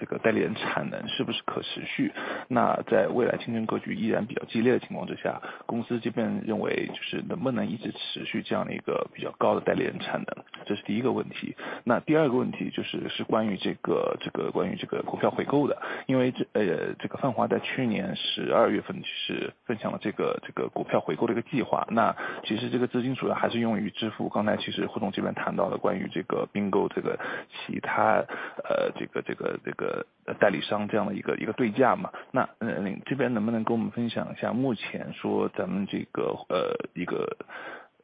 这个代理人产能是不是可持 续？ 那在未来竞争格局依然比较激烈的情况之 下， 公司这边认 为， 就是能不能一直持续这样的一个比较高的代理人产 能？ 这是第一个问题。那第二个问题就 是， 是关于这 个， 这个关于这个股票回购 的， 因为 这， 呃， 这个泛华在去年十二月份是分享了这 个， 这个股票回购的一个计 划， 那其实这个资金主要还是用于支 付， 刚才其实胡总这边谈到了关于这个并 购， 这个其 他， 呃， 这 个， 这 个， 这个代理商这样的一 个， 一个对价嘛。那您这边能不能跟我们分享一 下， 目前说咱们这 个， 呃， 一 个，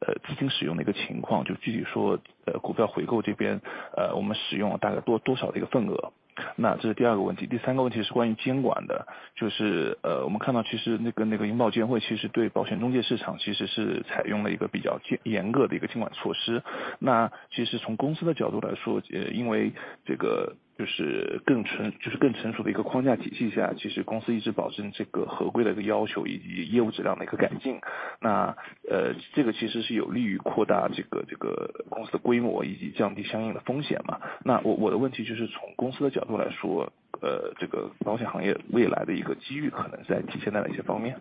呃， 资金使用的一个情 况， 就具体 说， 呃， 股票回购这 边， 呃， 我们使用了大概 多， 多少的一个份 额？ 那这是第二个问题。第三个问题是关于监管 的， 就 是， 呃， 我们看到其实那 个， 那个银保监会其实对保险中介市场其实是采用了一个比较 严， 严格的一个监管措施。那其实从公司的角度来 说， 也因为这个就是更 成， 就是更成熟的一个框架体系 下， 其实公司一直保持这个合规的一个要 求， 以， 以业务质量的一个改 进， 那， 呃， 这个其实是有利于扩大这 个， 这个公司的规模以及降低相应的风险嘛。那 我， 我的问题就是从公司的角度来 说， 呃， 这个保险行业未来的一个机遇可能在哪些方 面？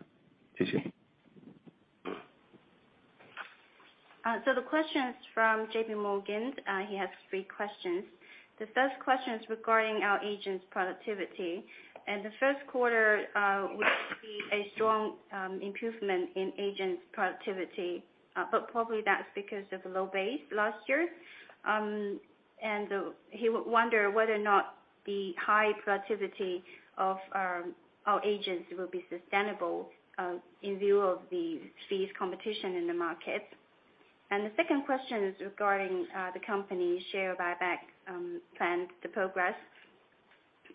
谢谢。The question is from JPMorgan. He has three questions. The first question is regarding our agents' productivity. In the first quarter, we see a strong improvement in agents' productivity, but probably that's because of the low base 2022. He would wonder whether or not the high productivity of our agents will be sustainable in view of the fees competition in the market. The second question is regarding the company's share buyback plan, the progress.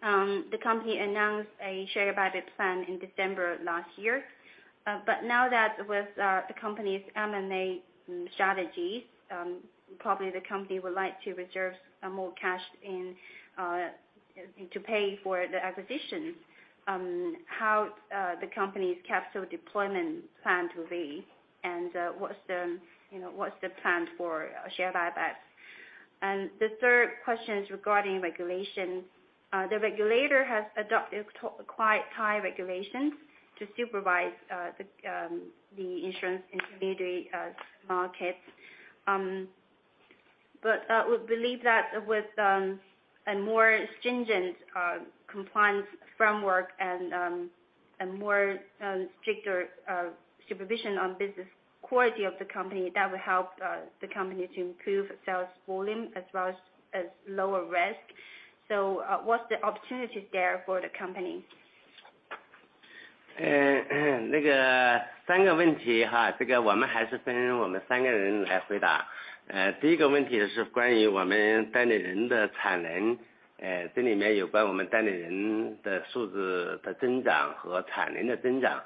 The company announced a share buyback plan in December 2022. Now that with the company's M&A strategy, probably the company would like to reserve some more cash in to pay for the acquisition. How the company's capital deployment plan to be, and what's the, you know, what's the plan for share buyback? The third question is regarding regulation. The regulator has adopted to quite high regulations to supervise the insurance intermediary market. We believe that with a more stringent compliance framework and more stricter supervision on business quality of the company, that will help the company to improve sales volume as well as lower risk. What's the opportunities there for the company? 那个三个问 题， 哈， 这个我们还是分我们三个人来回答。第一个问题是关于我们代理人的产 能， 这里面有关我们代理人的数字的增长和产能的增长，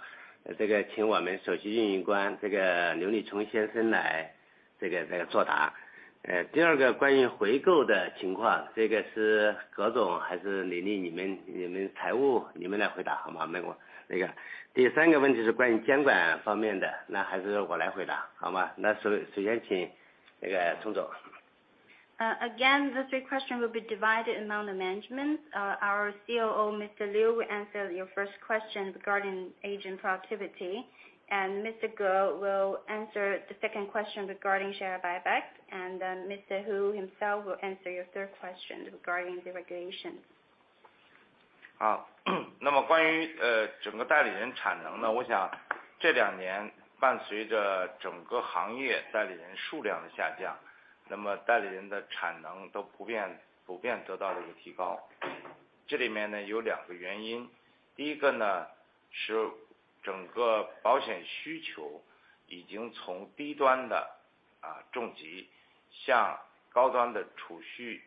这个请我们首席运营官这个刘利冲先生来作答。第二个关于回购的情 况， 这个是葛总还是 李丽， 你们财 务， 你们来回答好 吗？ 那个第三个问题是关于监管方面 的， 那还是我来回 答， 好 吗？ 那首先请这个冲总。Again, the three questions will be divided among the management. Our COO, Mr. Liu, will answer your first question regarding agent productivity. Mr. Ge will answer the second question regarding share buyback. Mr. Hu himself will answer your third question regarding the regulation. 好。关于整个代理人产能 呢， 我想这两年伴随着整个行业代理人数量的下 降， 代理人的产能都普遍得到了一个提高。这里面 呢， 有两个原 因： 第一个 呢， 是整个保险需求已经从低端的重 疾， 向高端的储蓄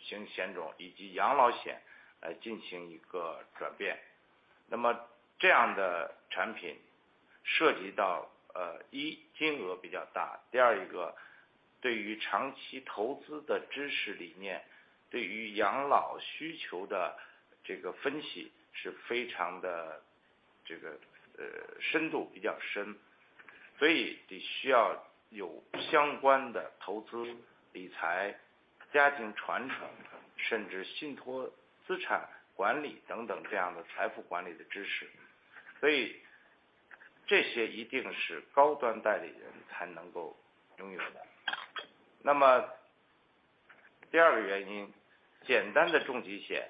型险种以及养老险来进行一个转变。这样的产品涉及到 一， 金额比较 大， 第二一个，对于长期投资的知识里 面， 对于养老需求的这个分析是非常 的， 这个深度比较 深， 所以得需要有相关的投资理财、家庭传 承， 甚至信托、资产管理等等这样的财富管理的知识。这些一定是高端代理人才能够拥有的。第二个原 因， 简单的重疾险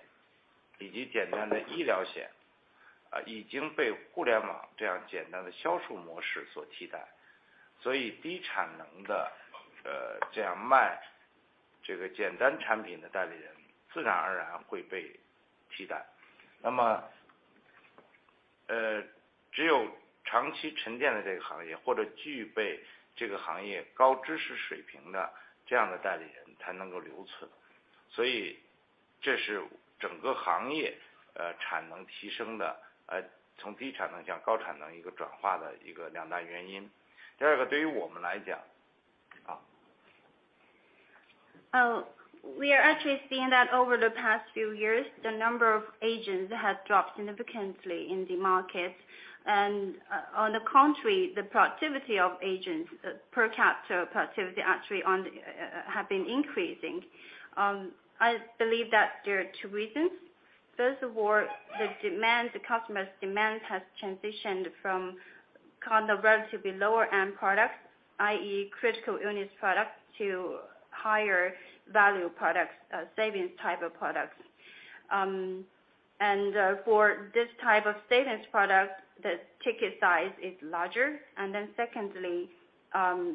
以及简单的医疗险已经被互联网这样简单的销售模式所替 代， 低产能的这样卖这个简单产品的代理人自然而然会被替代。只有长期沉淀在这个行 业， 或者具备这个行业高知识水平的这样的代理人才能够留存。这是整个行业产能提升的从低产能向高产能一个转化的一个两大原因。第二 个， 对于我们来 讲， 好。We are actually seeing that over the past few years, the number of agents has dropped significantly in the market. On the contrary, the productivity of agents, per capita productivity actually on, have been increasing. I believe that there are two reasons. First of all, the demand, the customers' demand has transitioned from kind of relatively lower-end products, i.e., critical illness products, to higher-value products, savings-type products. For this type of savings products, the ticket size is larger. Secondly,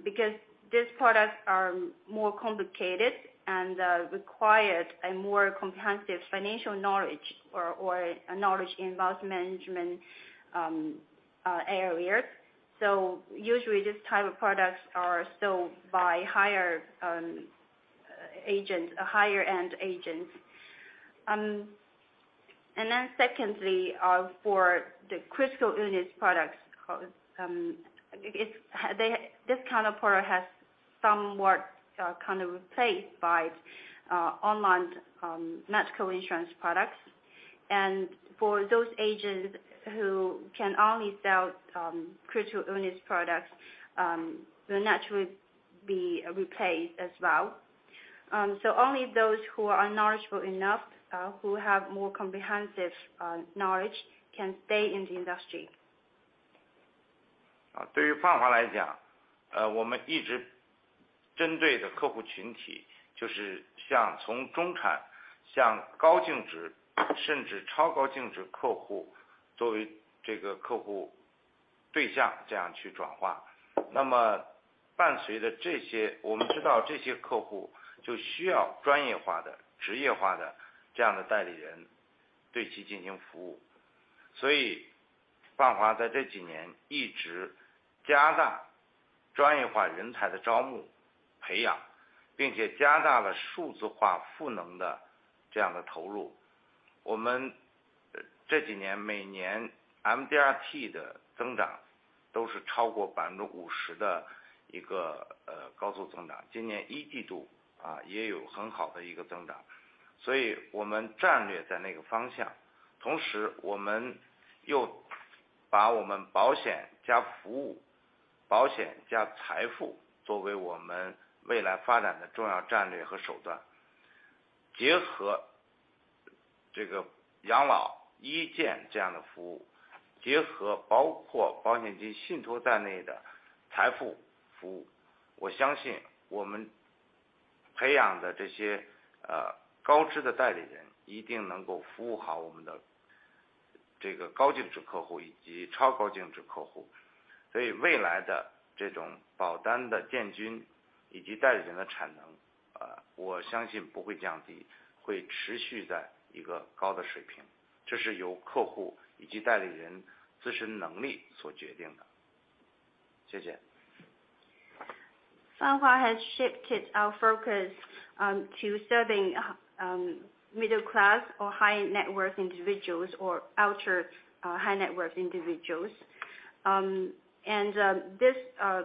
because these products are more complicated and, required a more comprehensive financial knowledge or a knowledge in investment management, areas. Usually these type of products are sold by higher, agents, higher-end agents. Then secondly, for the critical illness products, cause, this kind of product has somewhat kind of replaced by online medical insurance products. For those agents who can only sell critical illness products, will naturally be replaced as well. Only those who are knowledgeable enough, who have more comprehensive knowledge, can stay in the industry. 对于 Fanhua 来 讲， 我们一直针对的客户群体就是像从中产向高净 值， 甚至超高净值客 户， 作为这个客户对象这样去转化。伴随着这 些， 我们知道这些客户就需要专业化 的， 职业化的这样的代理人对其进行服务。Fanhua 在这几年一直加大专业化人才的招募培 养， 并且加大了数字化赋能的这样的投入。我们这几年每年 MDRT 的增长都是超过 50% 的一个高速增 长， 今年 Q1 也有很好的一个增长。我们战略在那个方向。同时我们又通过-...把我们保险加 服务, 保险加财富作为我们未来发展的重要战略和 手段, 结合这个养老、医健这样的 服务, 结合包括保险及信托在内的财富 服务, 我相信我们培养的这些高知的代理 人, 一定能够服务好我们的这个高净值客户以及超高净值客户。未来的这种保单的建军以及代理人的 产能, 我相信不会 降低, 会持续在一个高的 水平, 这是由客户以及代理人自身能力所决定的。谢谢。Fanhua has shifted our focus on to serving middle class or high net worth individuals or ultra-high-net-worth individuals. This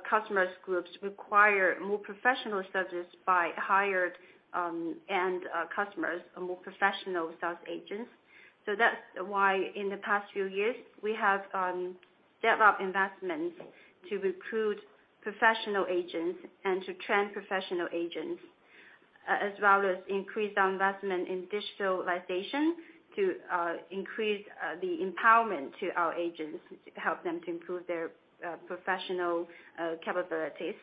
customers groups require more professional services by hired-end customers and more professional sales agents. That's why in the past few years, we have step up investment to recruit professional agents and to train professional agents, as well as increase our investment in digitalization to increase the empowerment to our agents, to help them to improve their professional capabilities.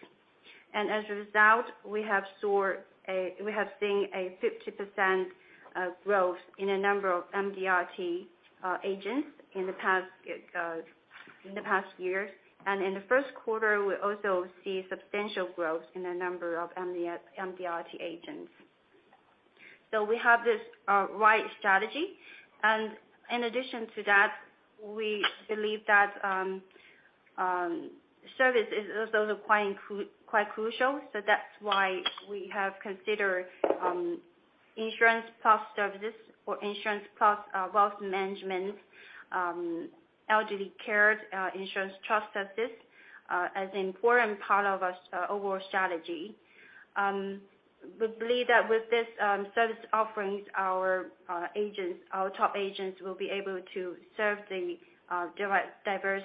As a result, we have seen a 50% growth in a number of MDRT agents in the past in the past years. In the first quarter, we also see substantial growth in the number of MDRT agents. We have this right strategy. In addition to that, we believe that service is also quite crucial. That's why we have considered insurance plus services or insurance plus wealth management, elderly care, insurance trust services as an important part of our overall strategy. We believe that with this service offerings, our agents, our top agents will be able to serve the diverse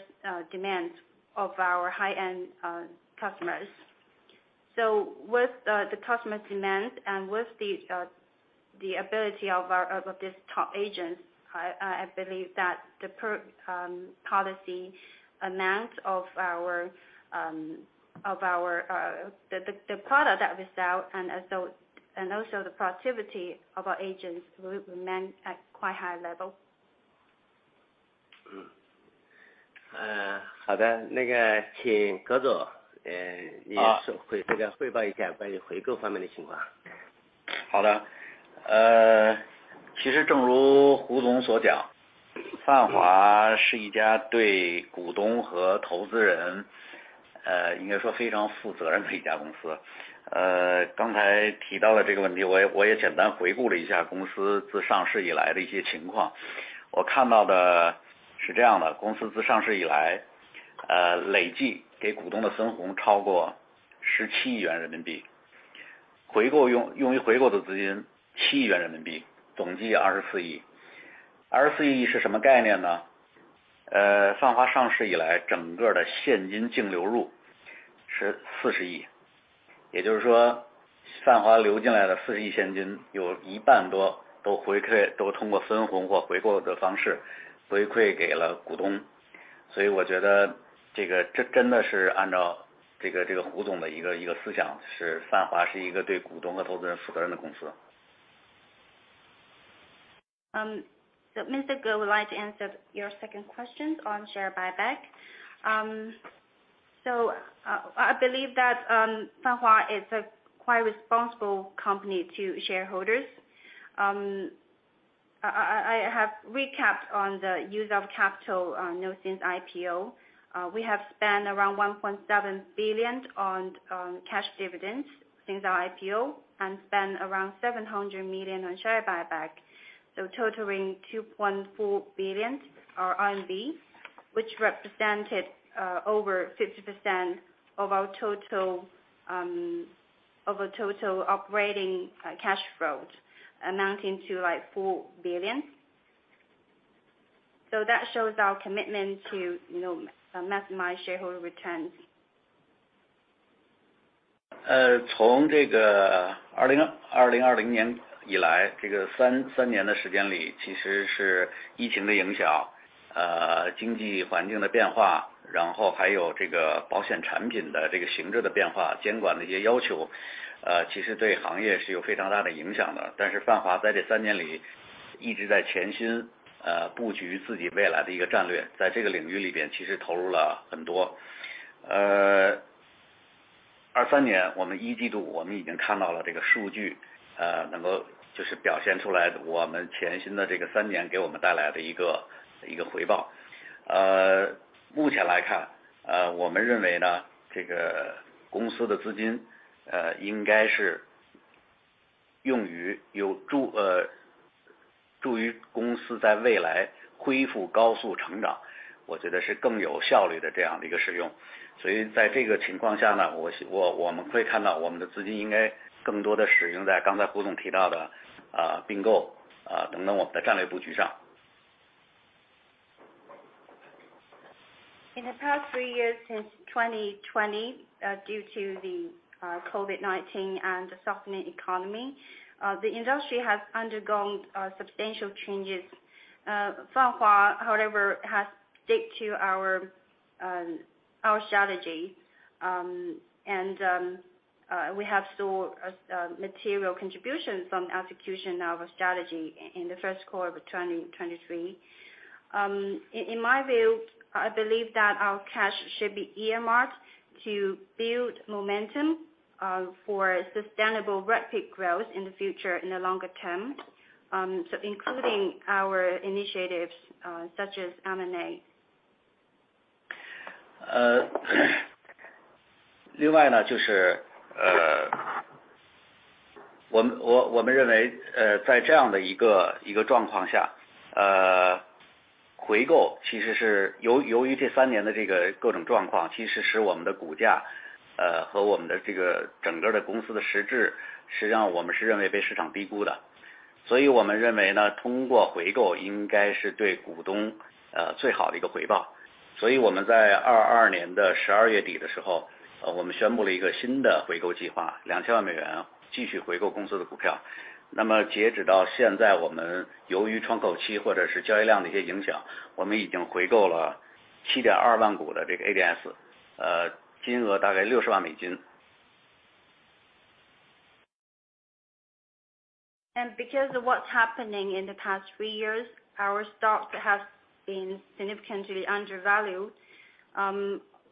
demands of our high-end customers. With the customer demands and with these the ability of our, of this top agents, I believe that the policy amount of our of our... The product that we sell and also the productivity of our agents will remain at quite high level. 嗯， 呃， 好 的， 那个请葛 总， 呃-好。你 回， 这个汇报一下关于回购方面的情况。好 的， 呃，其实正如胡总所 讲， 泛华是一家对股东和投资 人， 呃， 应该说非常负责任的一家公司。呃， 刚才提到了这个问 题， 我 也， 我也简单回顾了一下公司自上市以来的一些情况。我看到的是这样 的， 公司自上市以 来， 呃， 累计给股东的分红超过十七亿元人民 币， 回购 用， 用于回购的资金七亿元人民币，总计二十四亿。二十四亿是什么概念 呢？ 呃， 泛华上市以 来， 整个的现金净流入是四十亿。也就是说泛华流进来的四十亿现 金， 有一半多都回 馈， 都通过分红或回购的方式回馈给了股东。所以我觉得这个 真， 真的是按照这 个， 这个胡总的一 个， 一个思 想， 是泛华是一个对股东和投资人负责任的公司。Mr. Ge would like to answer your second question on share buyback. I believe that Fanhua is a quite responsible company to shareholders. I have recapped on the use of capital, you know, since IPO. We have spent around 1.7 billion on cash dividends since our IPO, and spend around 700 million on share buyback, so totaling RMB 2.4 billion, which represented over 50% of our total operating cash flows, amounting to like 4 billion. That shows our commitment to, you know, maximize shareholder returns. 从这个2020年以 来， 这个3年的时间 里， 其实是 COVID-19 的影 响， 经济环境的变 化， 然后还有这个保险产品的这个形势的变 化， 监管的一些要 求， 其实对行业是有非常大的影响的。Fanhua 在这3年里一直在潜心布局自己未来的一个战 略， 在这个领域里边其实投入了很多。2023年我们 Q1 我们已经看到了这个数据，能够就是表现出来我们潜心的这个3年给我们带来的一个回报。目前来 看， 我们认为 呢， 这个公司的资 金， 应该是用于有助于公司在未来恢复高速成 长， 我觉得是更有效率的这样的一个使用。在这个情况下 呢， 我希 望， 我们会看到我们的资金应该更多地使用在刚才胡总提到 的， 并 购， 等等我们的战略布局上。In the past three years, since 2020, due to the COVID-19 and the softening economy, the industry has undergone substantial changes. Fanhua, however, has stick to our our strategy. We have saw a material contribution from the execution of our strategy in the first quarter of 2023. In my view, I believe that our cash should be earmarked to build momentum for sustainable rapid growth in the future, in the longer term. Including our initiatives, such as M&A. Uh, Because of what's happening in the past three years, our stock has been significantly undervalued.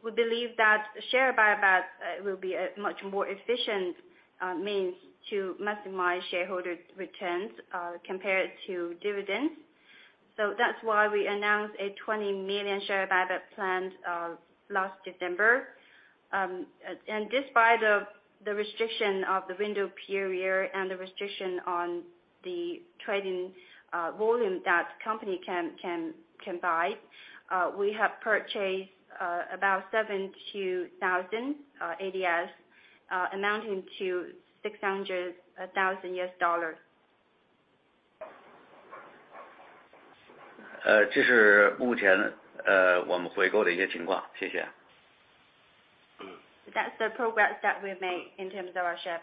We believe that share buyback will be a much more efficient means to maximize shareholder returns compared to dividends. That's why we announced a $20 million share buyback plan last December. Despite of the restriction of the window period and the restriction on the trading volume that company can buy, we have purchased about 72,000 ADS, amounting to $600,000. this is... That's the progress that we've made in terms of our share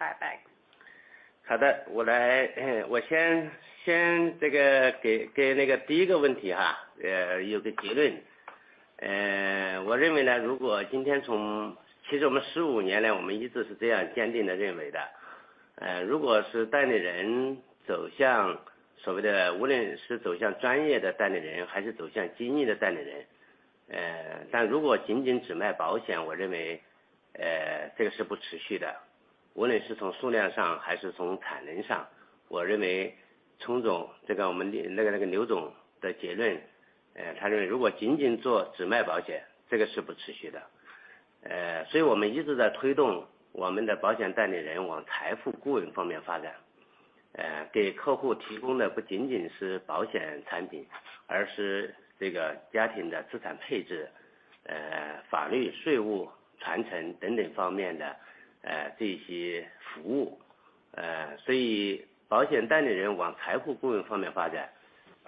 buyback. Uh,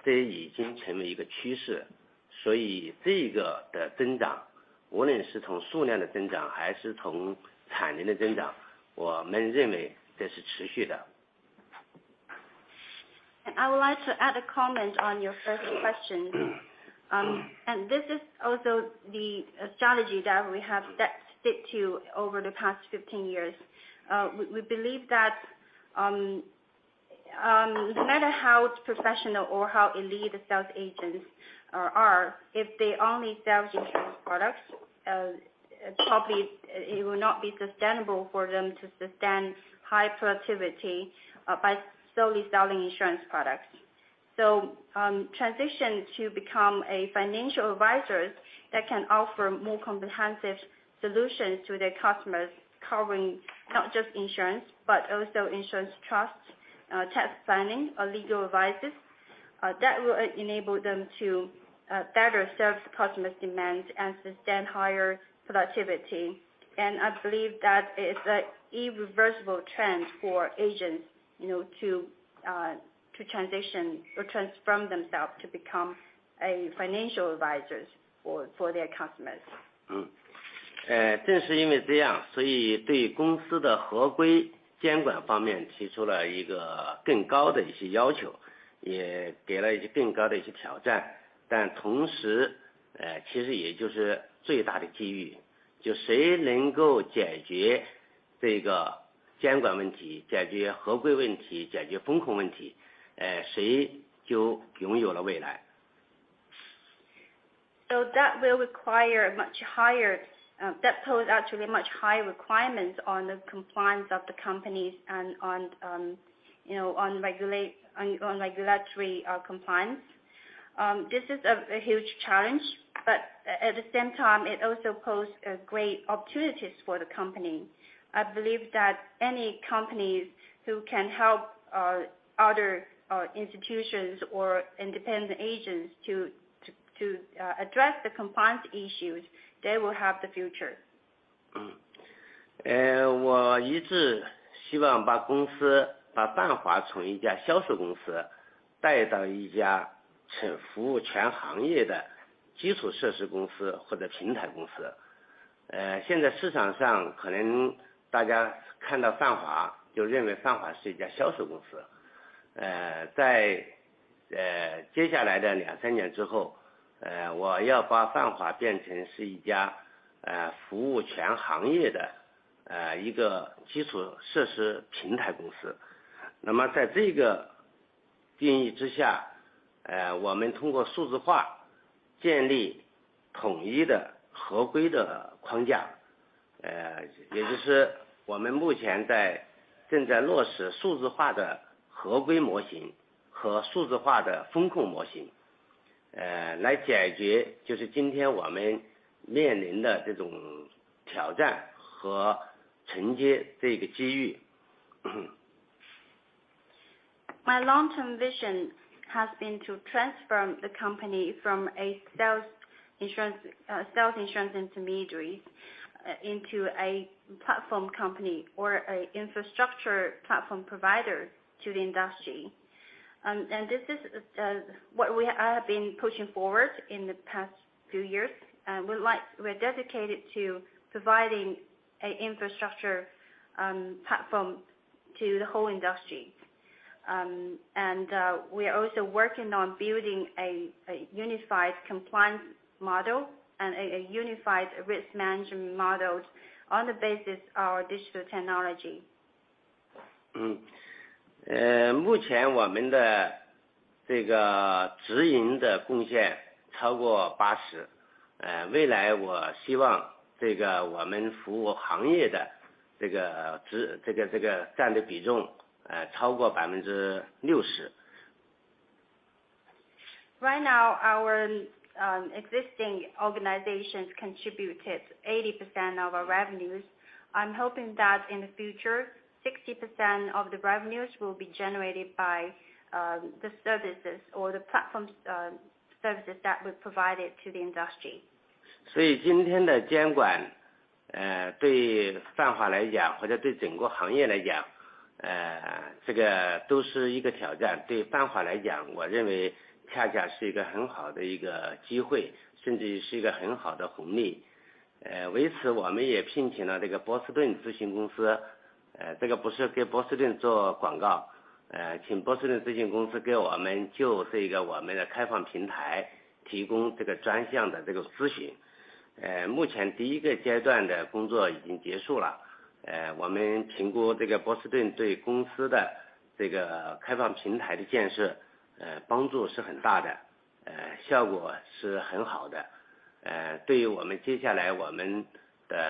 I would like to add a comment on your first question. This is also the strategy that we have that stick to over the past 15 years. We believe that no matter how professional or how elite the sales agents are, if they only sell insurance products, probably it will not be sustainable for them to sustain high productivity by solely selling insurance products. Transition to become financial advisors that can offer more comprehensive solutions to their customers, covering not just insurance, but also insurance trusts, tax planning or legal advices, that will enable them to better serve the customers' demands and sustain higher productivity. I believe that is an irreversible trend for agents, you know, to transition or transform themselves to become financial advisors for their customers. That will require a much higher, that pose actually much higher requirements on the compliance of the companies and on, you know, on regulatory compliance. This is a huge challenge, but at the same time, it also pose a great opportunities for the company. I believe that any companies who can help other institutions or independent agents to address the compliance issues, they will have the future. 我一直希望把公 司， 把 Fanhua 从一家销售公司带到一家可服务全行业的基础设施公司或者平台公司。现在市场上可能大家看到 Fanhua， 就认为 Fanhua 是一家销售公司。在接下来的 2-3 年之后，我要把 Fanhua 变成是一家服务全行业的一个基础设施平台公司。那么在这个定义之 下， 我们通过数字化建立统一的合规的框 架， 也就是我们目前在正在落实数字化的合规模型和数字化的风控模型，来解 决， 就是今天我们面临的这种挑战和承接这个机遇。My long term vision has been to transform the company from a sales insurance intermediary into a platform company or an infrastructure platform provider to the industry. And this is what we have been pushing forward in the past few years, and we are dedicated to providing an infrastructure platform to the whole industry. And we are also working on building a unified compliance model and a unified risk management model on the basis of our digital technology. 目前我们的这个直营的贡献超过 80%， 未来我希望这个我们服务行业的这个直占的比重超过 60%。Right now, our existing organizations contributed 80% of our revenues. I'm hoping that in the future, 60% of the revenues will be generated by the services or the platform services that we provided to the industry. 今天的监管对 Fanhua 来 讲， 或者对整个行业来 讲， 这个都是一个挑战。对 Fanhua 来 讲， 我认为恰恰是一个很好的一个机 会， 甚至于是一个很好的红利。为此我们也聘请了这个 Boston Consulting Group， 这个不是给 Boston 做广 告， 请 Boston Consulting Group 给我们就是一个我们的开放平 台， 提供这个专项的这种咨询。目前 first 个阶段的工作已经结束 了， 我们评估这个 Boston 对公司的这个开放平台的建 设， 帮助是很大 的， 效果是很好的。对于我们接下来我们的数 字， 建立数字化的2个模 型， 就是数字化的合规模型和数字化的风控模 型， 那么有很大的助益。The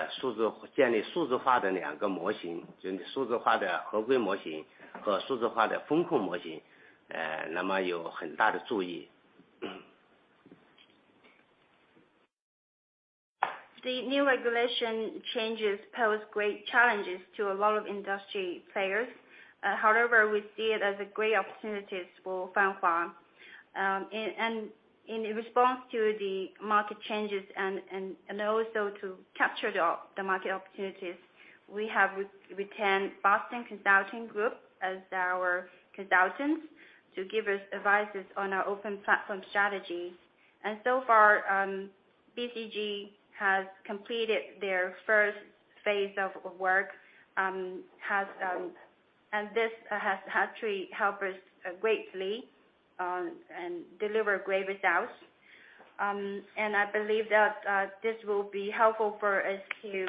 new regulation changes pose great challenges to a lot of industry players. However, we see it as a great opportunities for Fanhua. In response to the market changes and also to capture the market opportunities, we have retained Boston Consulting Group as our consultants to give us advices on our open platform strategy. So far, BCG has completed their first phase of work, and this has actually helped us greatly and deliver great results. I believe that this will be helpful for us to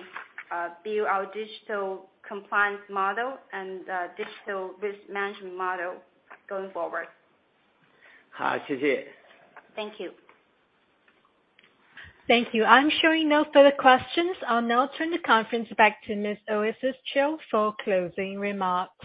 build our digital compliance model and digital risk management model going forward. 好，谢谢. Thank you. Thank you. I'm showing no further questions. I'll now turn the conference back to Ms. Oasis Qiu for closing remarks.